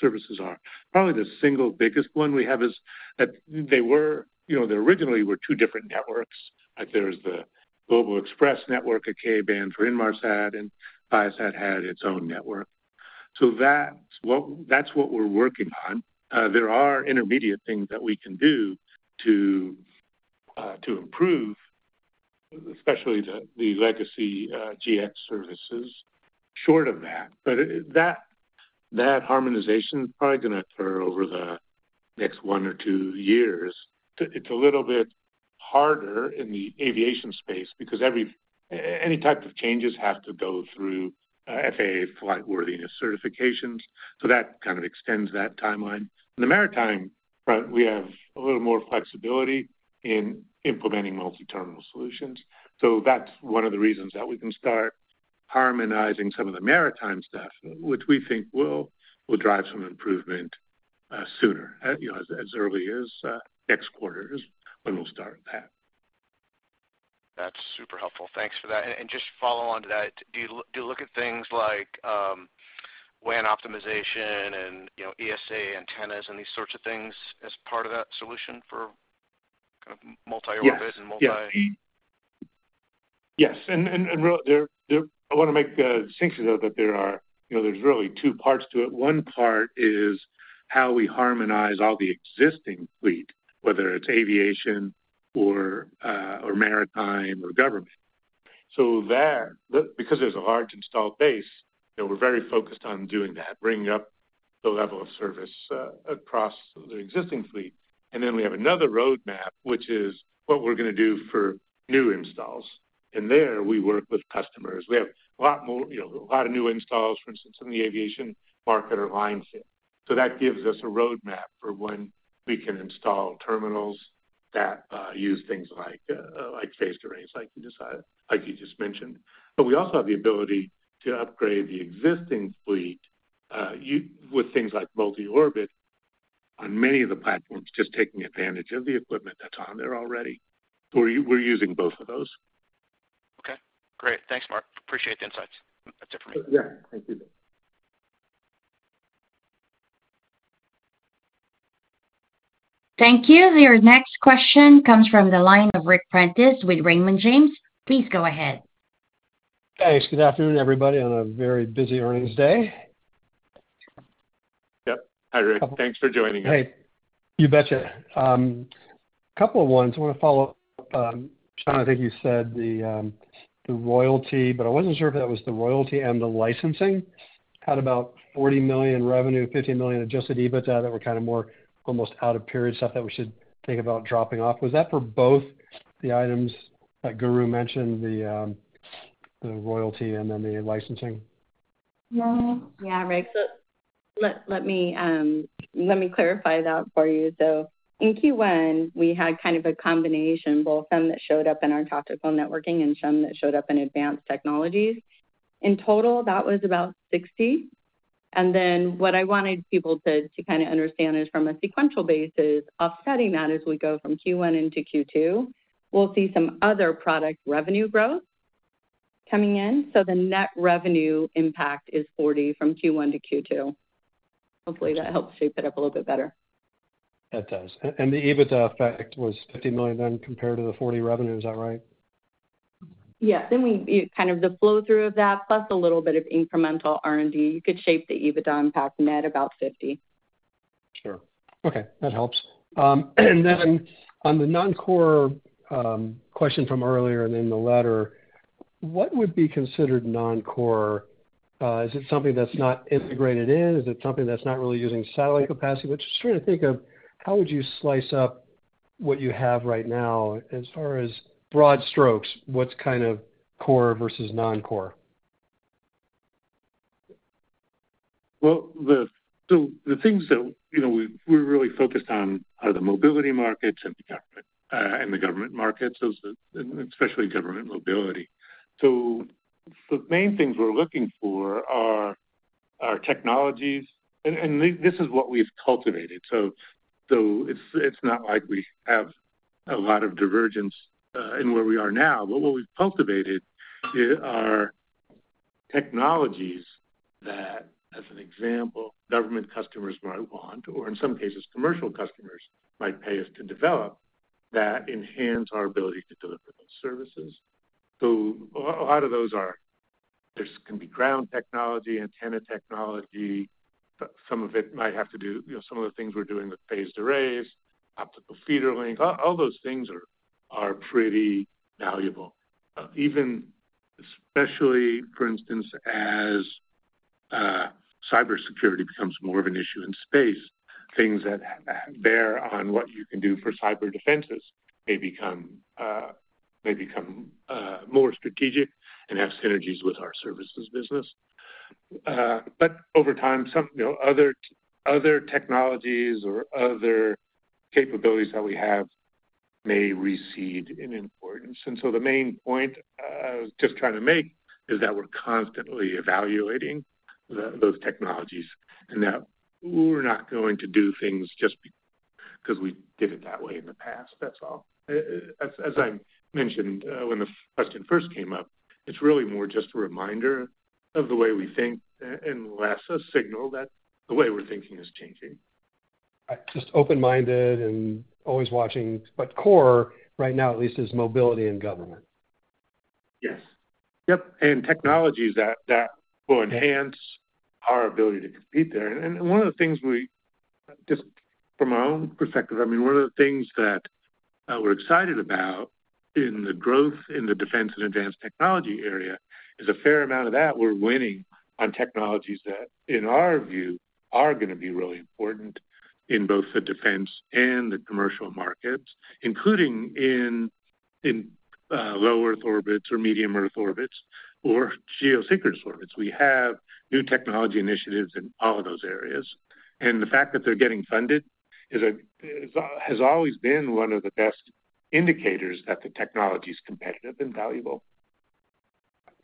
services are. Probably the single biggest one we have is that there originally were two different networks. There's the Global Xpress network at Ka-band for Inmarsat, and Viasat had its own network. So that's what we're working on. There are intermediate things that we can do to improve, especially the legacy GX services. Short of that, but that harmonization is probably going to occur over the next one or two years. It's a little bit harder in the Aviation space because any type of changes have to go through FAA flightworthiness certifications. So that kind of extends that timeline. On the Maritime front, we have a little more flexibility in implementing multi-terminal solutions. So that's one of the reasons that we can start harmonizing some of the Maritime stuff, which we think will drive some improvement sooner, as early as next quarter is when we'll start that. That's super helpful. Thanks for that. And just following on to that, do you look at things like WAN optimization and ESA antennas and these sorts of things as part of that solution for kind of multi-orbit and multi? Yes. And I want to make distinction though that there's really two parts to it. One part is how we harmonize all the existing fleet, whether it's Aviation or Maritime or government. So because there's a large installed base, we're very focused on doing that, bringing up the level of service across the existing fleet. And then we have another roadmap, which is what we're going to do for new installs. And there we work with customers. We have a lot more a lot of new installs, for instance, in the Aviation market or line fit. So that gives us a roadmap for when we can install terminals that use things like phased arrays, like you just mentioned. But we also have the ability to upgrade the existing fleet with things like multi-orbit on many of the platforms, just taking advantage of the equipment that's on there already. So we're using both of those. Okay. Great. Thanks, Mark. Appreciate the insights. That's it for me. Yeah. Thank you. Thank you. Your next question comes from the line of Ric Prentiss with Raymond James. Please go ahead. Hey. Good afternoon, everybody, on a very busy earnings day. Yep. Hi, Rick. Thanks for joining us. Hey. You betcha. A couple of ones. I want to follow up. Shawn, I think you said the royalty, but I wasn't sure if that was the royalty and the licensing. Had about $40 million revenue, $50 million adjusted EBITDA that were kind of more almost out of period stuff that we should think about dropping off. Was that for both the items that Guru mentioned, the royalty and then the licensing? Yeah. Yeah, Ric. So let me clarify that for you. So in Q1, we had kind of a combination, both some that showed up in Tactical Networking and some that showed up in Advanced Technologies. In total, that was about $60 million. And then what I wanted people to kind of understand is from a sequential basis, offsetting that as we go from Q1 into Q2, we'll see some other product revenue growth coming in. So the net revenue impact is $40 million from Q1 to Q2. Hopefully, that helps shape it up a little bit better. That does. And the EBITDA effect was $50 million then compared to the $40 million revenue. Is that right? Yes. And kind of the flow through of that, plus a little bit of incremental R&D, you could shape the EBITDA impact net about $50 million. Sure. Okay. That helps. And then on the non-core question from earlier and then the letter, what would be considered non-core? Is it something that's not integrated in? Is it something that's not really using satellite capacity? But just trying to think of how would you slice up what you have right now as far as broad strokes, what's kind of core versus non-core? Well, the things that we really focused on are the mobility markets and the government markets, especially government mobility. So the main things we're looking for are our technologies. This is what we've cultivated. So it's not like we have a lot of divergence in where we are now. But what we've cultivated are technologies that, as an example, government customers might want, or in some cases, commercial customers might pay us to develop that enhance our ability to deliver those services. So a lot of those are there can be ground technology, antenna technology. Some of it might have to do some of the things we're doing with phased arrays, optical feeder link. All those things are pretty valuable. Especially, for instance, as cybersecurity becomes more of an issue in space, things that bear on what you can do for cyber defenses may become more strategic and have synergies with our services business. But over time, other technologies or other capabilities that we have may recede in importance. And so the main point I was just trying to make is that we're constantly evaluating those technologies and that we're not going to do things just because we did it that way in the past. That's all. As I mentioned when the question first came up, it's really more just a reminder of the way we think and less a signal that the way we're thinking is changing. Just open-minded and always watching. But core right now, at least, is mobility and government. Yes. Yep. And technologies that will enhance our ability to compete there. One of the things we just from our own perspective, I mean, one of the things that we're excited about in the growth in the Defense and Advanced Technology area is a fair amount of that we're winning on technologies that, in our view, are going to be really important in both the defense and the commercial markets, including in low Earth orbits or medium Earth orbits or geosynchronous orbits. We have new technology initiatives in all of those areas. And the fact that they're getting funded has always been one of the best indicators that the technology is competitive and valuable.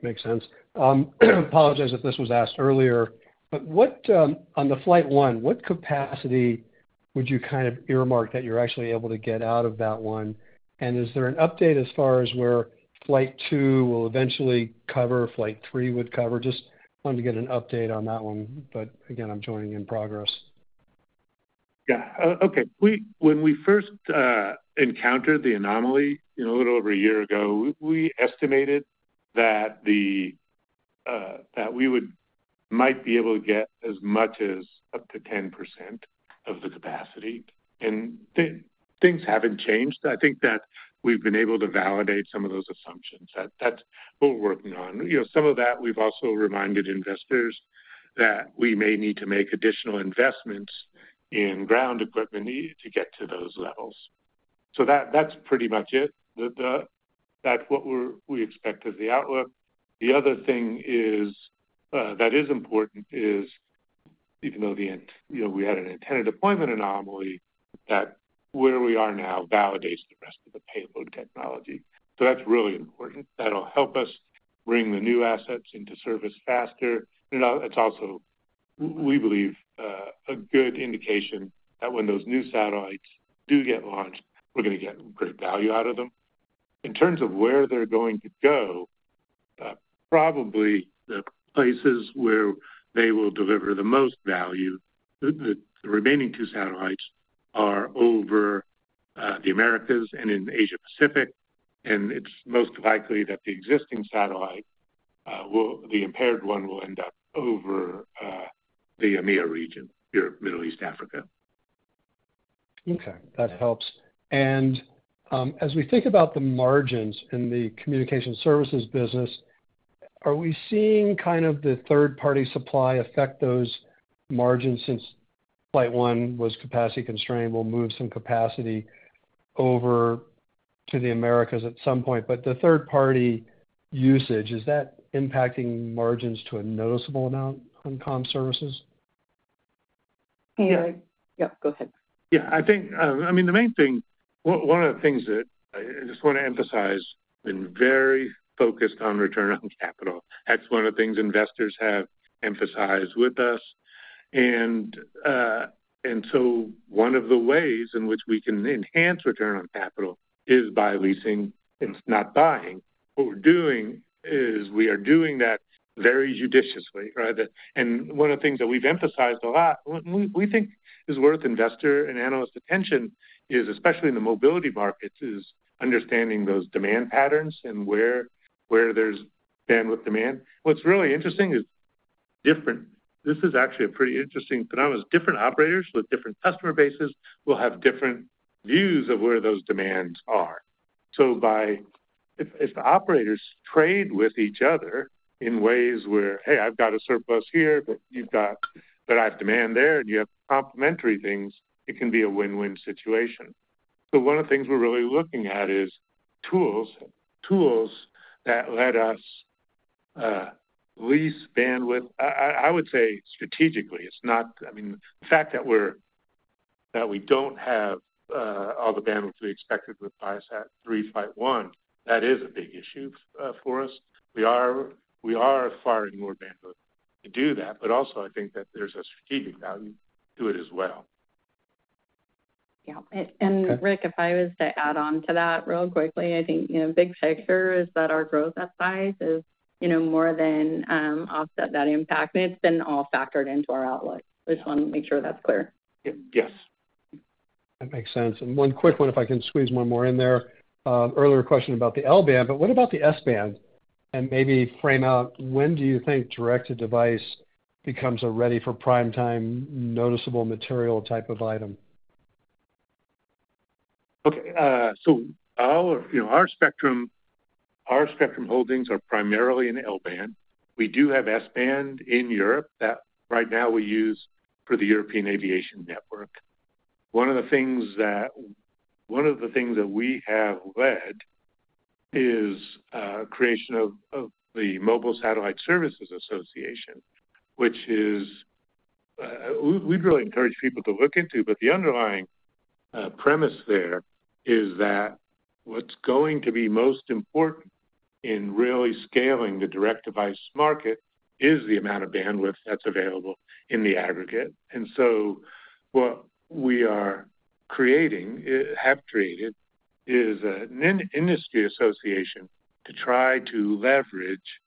Makes sense. Apologize if this was asked earlier. But on the flight one, what capacity would you kind of earmark that you're actually able to get out of that one? Is there an update as far as where Flight 2 will eventually cover, Flight 3 would cover? Just wanted to get an update on that one. But again, I'm joining in progress. Yeah. Okay. When we first encountered the anomaly a little over a year ago, we estimated that we might be able to get as much as up to 10% of the capacity. Things haven't changed. I think that we've been able to validate some of those assumptions. That's what we're working on. Some of that, we've also reminded investors that we may need to make additional investments in ground equipment to get to those levels. So that's pretty much it. That's what we expect as the outlook. The other thing that is important is, even though we had an intended deployment anomaly, that where we are now validates the rest of the payload technology. So that's really important. That'll help us bring the new assets into service faster. And it's also, we believe, a good indication that when those new satellites do get launched, we're going to get great value out of them. In terms of where they're going to go, probably the places where they will deliver the most value, the remaining two satellites are over the Americas and in Asia-Pacific. And it's most likely that the existing satellite, the impaired one, will end up over the EMEA region, Middle East, Africa. Okay. That helps. And as we think about the margins in the Communication Services business, are we seeing kind of the third-party supply affect those margins since flight one was capacity constrained, will move some capacity over to the Americas at some point. But the third-party usage, is that impacting margins to a noticeable amount on comm services? Yep. Yep. Go ahead. Yeah. I mean, the main thing, one of the things that I just want to emphasize, has been very focused on return on capital. That's one of the things investors have emphasized with us. So one of the ways in which we can enhance return on capital is by leasing and not buying. What we're doing is we are doing that very judiciously. One of the things that we've emphasized a lot, we think is worth investor and analyst attention, especially in the mobility markets, is understanding those demand patterns and where there's bandwidth demand. What's really interesting is different. This is actually a pretty interesting phenomenon. Different operators with different customer bases will have different views of where those demands are. So if the operators trade with each other in ways where, "Hey, I've got a surplus here, but I have demand there," and you have complementary things, it can be a win-win situation. So one of the things we're really looking at is tools that let us lease bandwidth. I would say strategically. I mean, the fact that we don't have all the bandwidth we expected with Viasat-3 F1, that is a big issue for us. We are acquiring more bandwidth to do that. But also, I think that there's a strategic value to it as well. Yeah. And Ric, if I was to add on to that real quickly, I think big picture is that our growth at size is more than offset that impact. And it's been all factored into our outlook. I just want to make sure that's clear. Yes. That makes sense. One quick one, if I can squeeze one more in there. Earlier question about the L-band, but what about the S-band? And maybe frame out when do you think direct-to-device becomes a ready-for-primetime noticeable material type of item? Okay. Our spectrum holdings are primarily in L-band. We do have S-band in Europe that right now we use for the European Aviation Network. One of the things that one of the things that we have led is creation of the Mobile Satellite Services Association, which we'd really encourage people to look into. The underlying premise there is that what's going to be most important in really scaling the direct-to-device market is the amount of bandwidth that's available in the aggregate. And so what we are creating, have created, is an industry association to try to leverage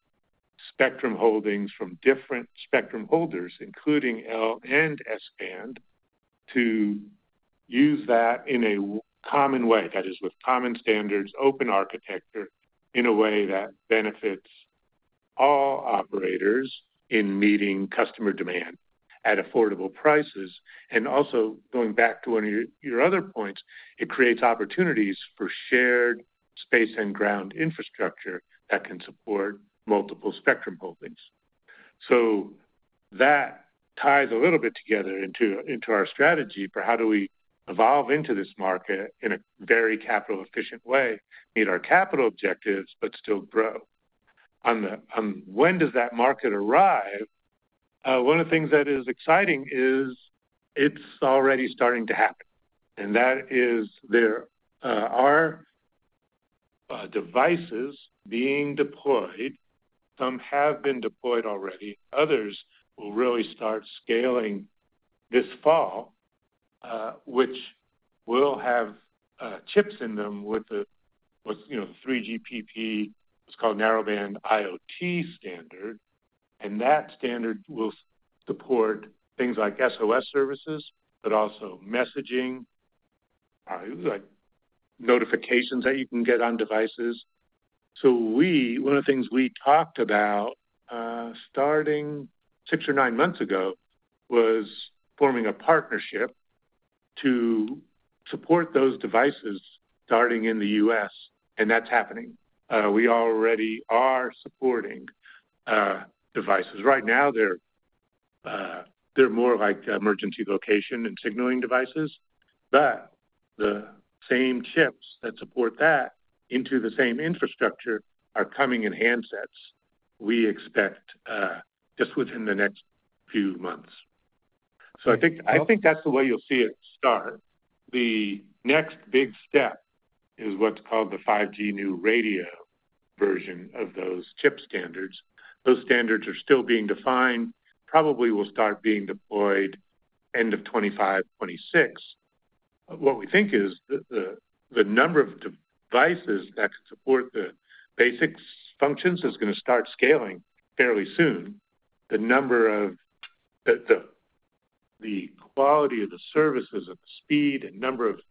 spectrum holdings from different spectrum holders, including L-band and S-band, to use that in a common way. That is, with common standards, open architecture in a way that benefits all operators in meeting customer demand at affordable prices. And also, going back to one of your other points, it creates opportunities for shared space and ground infrastructure that can support multiple spectrum holdings. So that ties a little bit together into our strategy for how do we evolve into this market in a very capital-efficient way, meet our capital objectives, but still grow. On when does that market arrive? One of the things that is exciting is it's already starting to happen. And that is there are devices being deployed. Some have been deployed already. Others will really start scaling this fall, which will have chips in them with the 3GPP, what's called Narrowband IoT standard. And that standard will support things like SOS services, but also messaging, notifications that you can get on devices. So one of the things we talked about starting 6 or 9 months ago was forming a partnership to support those devices starting in the US. And that's happening. We already are supporting devices. Right now, they're more like emergency location and signaling devices. But the same chips that support that into the same infrastructure are coming in handsets we expect just within the next few months. So I think that's the way you'll see it start. The next big step is what's called the 5G New Radio version of those chip standards. Those standards are still being defined. Probably will start being deployed end of 2025, 2026. What we think is the number of devices that can support the basic functions is going to start scaling fairly soon. The quality of the services and the speed and number of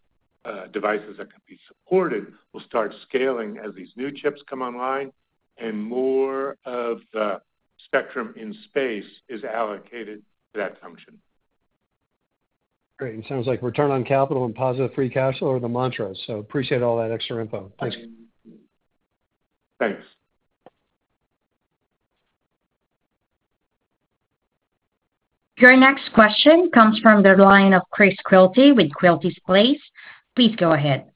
devices that can be supported will start scaling as these new chips come online. And more of the spectrum in space is allocated to that function. Great. And it sounds like return on capital and positive free cash are the mantra. So appreciate all that extra info. Thanks. Thanks. Your next question comes from the line of Chris Quilty with Quilty Space. Please go ahead.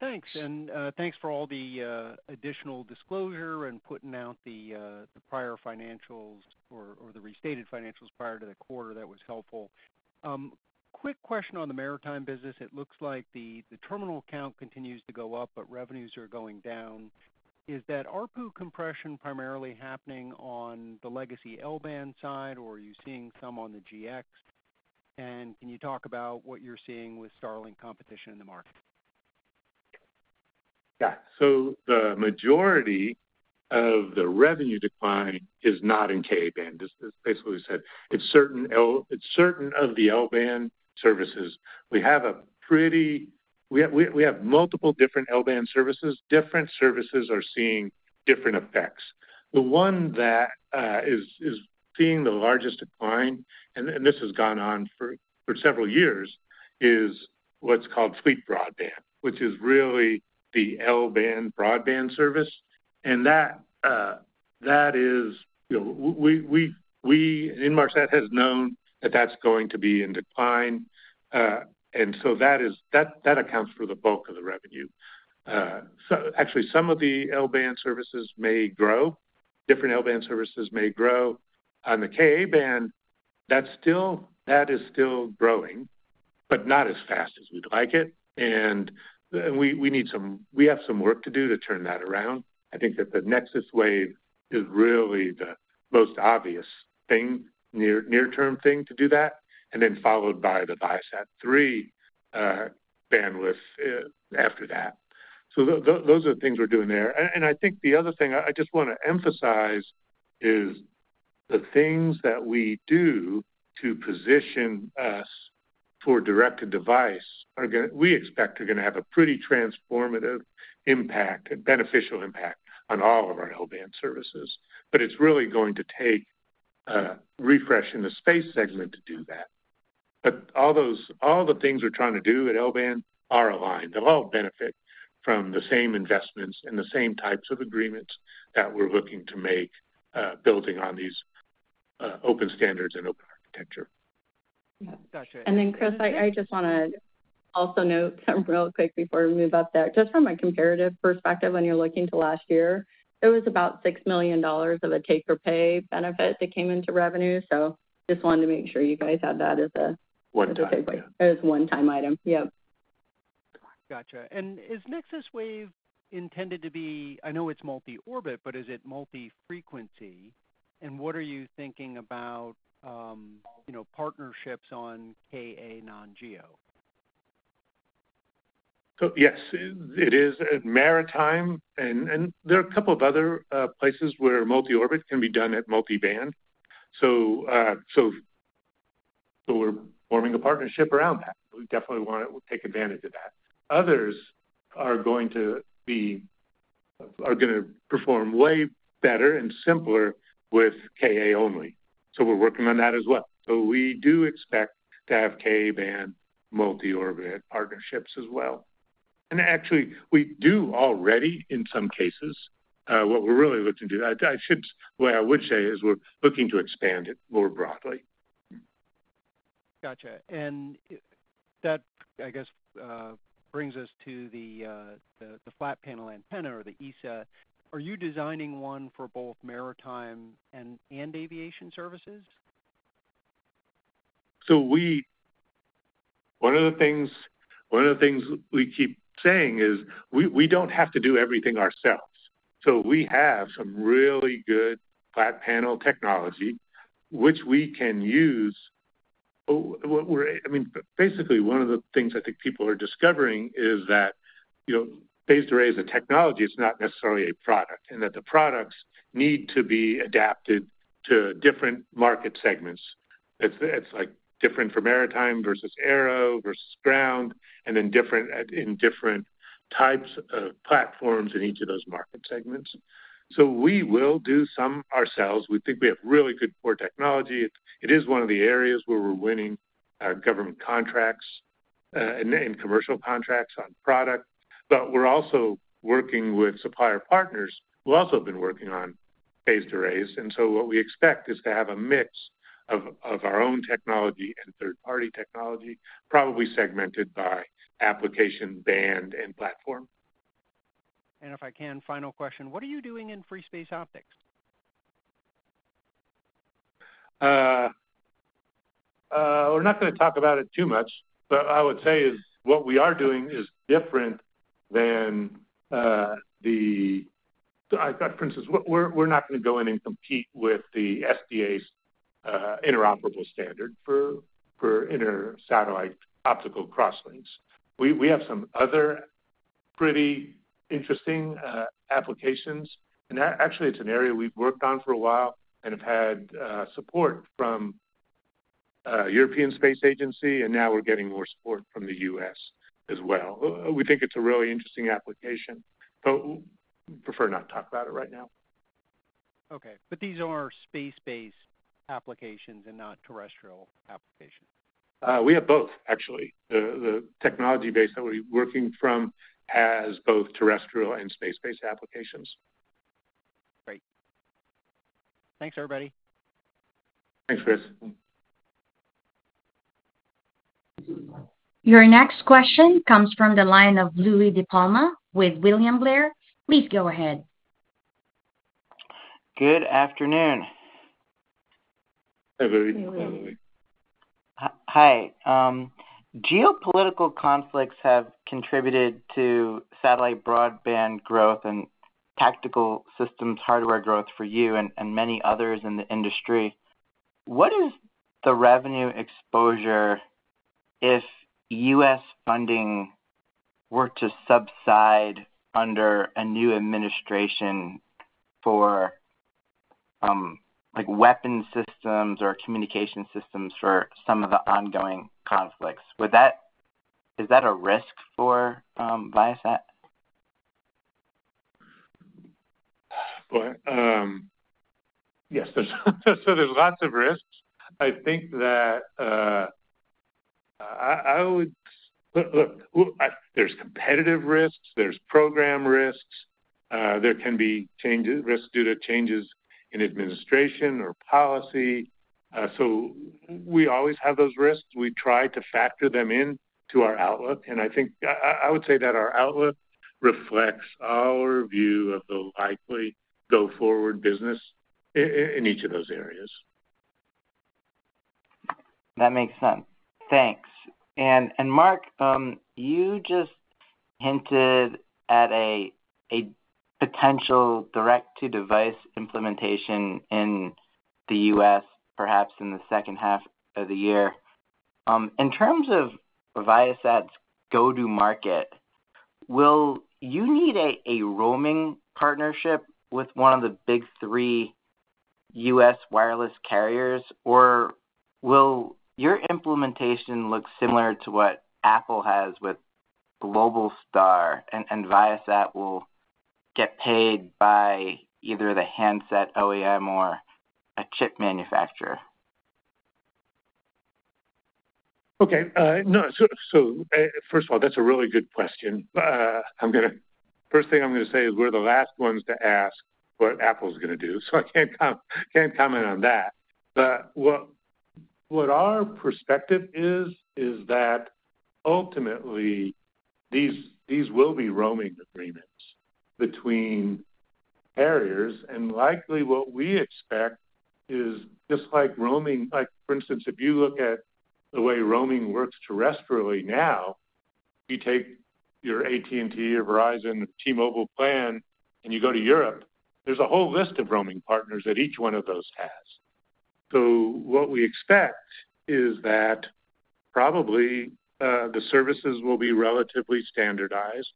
Thanks. Thanks for all the additional disclosure and putting out the prior financials or the restated financials prior to the quarter. That was helpful. Quick question on the Maritime business. It looks like the terminal count continues to go up, but revenues are going down. Is that ARPU compression primarily happening on the legacy L-band side, or are you seeing some on the GX? And can you talk about what you're seeing with Starlink competition in the market? Yeah. So the majority of the revenue decline is not in Ka-band. This is basically what we said. It's certain of the L-band services. We have multiple different L-band services. Different services are seeing different effects. The one that is seeing the largest decline, and this has gone on for several years, is what's called FleetBroadband, which is really the L-band broadband service. And that is, Inmarsat has known that that's going to be in decline. And so that accounts for the bulk of the revenue. Actually, some of the L-band services may grow. Different L-band services may grow. On the Ka-band, that is still growing, but not as fast as we'd like it. And we have some work to do to turn that around. I think that the NexusWave is really the most obvious thing, near-term thing to do that, and then followed by the Viasat-3 bandwidth after that. So those are the things we're doing there. And I think the other thing I just want to emphasize is the things that we do to position us for direct-to-device are going to we expect are going to have a pretty transformative impact and beneficial impact on all of our L-band services. But it's really going to take refresh in the space segment to do that. But all the things we're trying to do at L-band are aligned. They'll all benefit from the same investments and the same types of agreements that we're looking to make building on these open standards and open architecture. Gotcha. And then, Chris, I just want to also note real quick before we move up there. Just from a comparative perspective, when you're looking to last year, there was about $6 million of a take-or-pay benefit that came into revenue. So just wanted to make sure you guys had that as a takeaway. It was a one-time item. Yep. Gotcha. And is NexusWave intended to be? I know it's multi-orbit, but is it multi-frequency? And what are you thinking about partnerships on Ka/Non-GEO? Yes. It is Maritime. And there are a couple of other places where multi-orbit can be done at multi-band. So we're forming a partnership around that. We definitely want to take advantage of that. Others are going to perform way better and simpler with Ka only. So we're working on that as well. So we do expect to have Ka-band multi-orbit partnerships as well. And actually, we do already in some cases. What we're really looking to do, I would say is we're looking to expand it more broadly. Gotcha. And that, I guess, brings us to the flat panel antenna or the ESA. Are you designing one for both Maritime and Aviation services? So one of the things we keep saying is we don't have to do everything ourselves. So we have some really good flat panel technology, which we can use. I mean, basically, one of the things I think people are discovering is that phased array is a technology. It's not necessarily a product. That the products need to be adapted to different market segments. It's different for Maritime versus aero versus ground, and then in different types of platforms in each of those market segments. We will do some ourselves. We think we have really good core technology. It is one of the areas where we're winning government contracts and commercial contracts on product. But we're also working with supplier partners. We've also been working on phased arrays. What we expect is to have a mix of our own technology and third-party technology, probably segmented by application, band, and platform. If I can, final question. What are you doing in free space optics? We're not going to talk about it too much. But I would say what we are doing is different than, for instance, we're not going to go in and compete with the SDA's interoperable standard for inter-satellite optical crosslinks. We have some other pretty interesting applications. And actually, it's an area we've worked on for a while and have had support from the European Space Agency. And now we're getting more support from the US as well. We think it's a really interesting application. But we prefer not to talk about it right now. Okay. But these are space-based applications and not terrestrial applications? We have both, actually. The technology base that we're working from has both terrestrial and space-based applications. Great. Thanks, everybody. Thanks, Chris. Your next question comes from the line of Louie DiPalma with William Blair. Please go ahead. Good afternoon. Hi, everybody. Hi. Hi. Geopolitical conflicts have contributed to satellite broadband growth and tactical systems hardware growth for you and many others in the industry. What is the revenue exposure if U.S. funding were to subside under a new administration for weapon systems or communication systems for some of the ongoing conflicts? Is that a risk for Viasat? Boy. Yes. So there's lots of risks. I think that I would look, there's competitive risks. There's program risks. There can be risks due to changes in administration or policy. So we always have those risks. We try to factor them into our outlook. And I think I would say that our outlook reflects our view of the likely go-forward business in each of those areas. That makes sense. Thanks. And Mark, you just hinted at a potential direct-to-device implementation in the U.S., perhaps in the second half of the year. In terms of Viasat's go-to-market, will you need a roaming partnership with one of the big three U.S. wireless carriers, or will your implementation look similar to what Apple has with Globalstar and Viasat will get paid by either the handset OEM or a chip manufacturer? Okay. No. So first of all, that's a really good question. First thing I'm going to say is we're the last ones to ask what Apple is going to do. So I can't comment on that. But what our perspective is, is that ultimately, these will be roaming agreements between carriers. And likely, what we expect is just like roaming. For instance, if you look at the way roaming works terrestrially now, you take your AT&T, your Verizon, or T-Mobile plan, and you go to Europe, there's a whole list of roaming partners that each one of those has. So what we expect is that probably the services will be relatively standardized.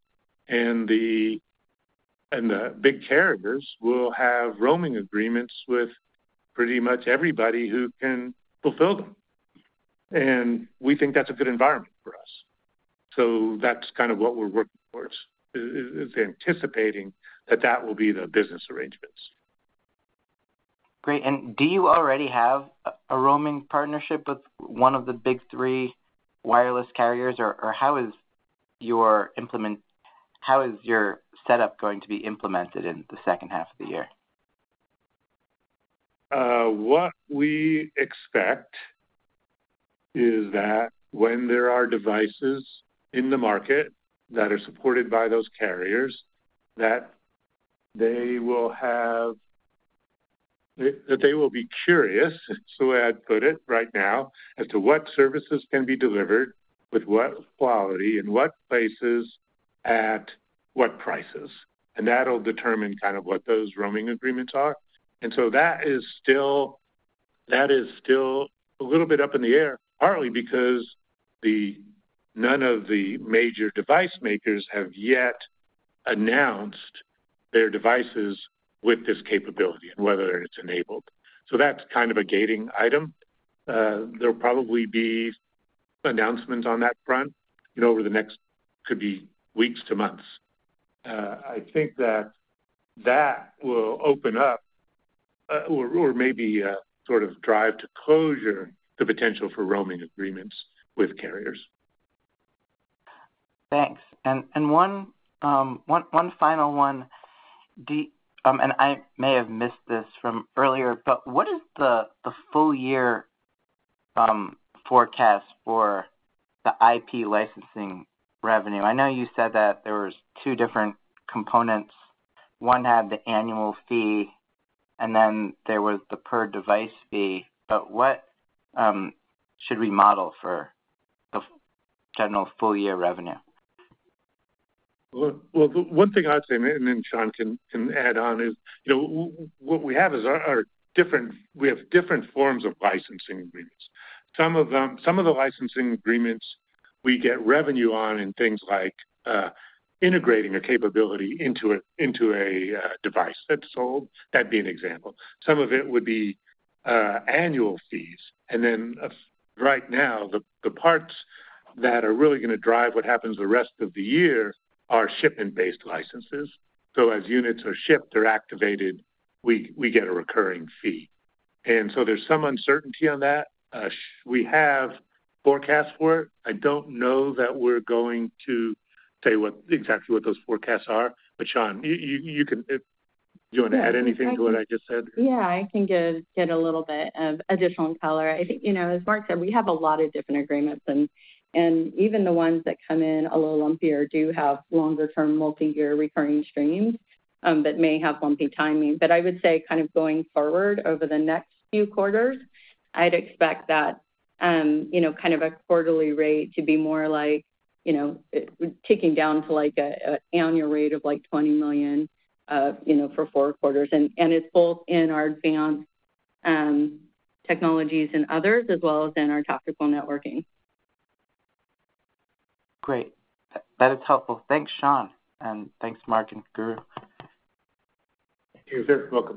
And the big carriers will have roaming agreements with pretty much everybody who can fulfill them. And we think that's a good environment for us. So that's kind of what we're working towards, is anticipating that that will be the business arrangements. Great. And do you already have a roaming partnership with one of the big three wireless carriers, or how is your setup going to be implemented in the second half of the year? What we expect is that when there are devices in the market that are supported by those carriers, that they will be curious, the way I'd put it, right now, as to what services can be delivered with what quality and what places at what prices. And that'll determine kind of what those roaming agreements are. And so that is still a little bit up in the air, partly because none of the major device makers have yet announced their devices with this capability and whether it's enabled. So that's kind of a gating item. There'll probably be announcements on that front over the next could be weeks to months. I think that that will open up or maybe sort of drive to closure the potential for roaming agreements with carriers. Thanks. And one final one. And I may have missed this from earlier, but what is the full-year forecast for the IP licensing revenue? I know you said that there were two different components. One had the annual fee, and then there was the per-device fee. But what should we model for the general full-year revenue? Well, one thing I'd say, and then Shawn can add on, is what we have is we have different forms of licensing agreements. Some of the licensing agreements we get revenue on in things like integrating a capability into a device. That'd be an example. Some of it would be annual fees. And then right now, the parts that are really going to drive what happens the rest of the year are shipment-based licenses. So as units are shipped or activated, we get a recurring fee. And so there's some uncertainty on that. We have forecasts for it. I don't know that we're going to say exactly what those forecasts are. But Shawn, do you want to add anything to what I just said? Yeah. I can get a little bit of additional color. As Mark said, we have a lot of different agreements. And even the ones that come in a little lumpier do have longer-term multi-year recurring streams that may have lumpy timing. But I would say kind of going forward over the next few quarters, I'd expect that kind of a quarterly rate to be more like ticking down to an annual rate of like $20 million for four quarters. And it's both in Advanced Technologies and Other, as well as in our Tactical Networking. Great. That is helpful. Thanks, Shawn. And thanks, Mark and Guru. Thank you.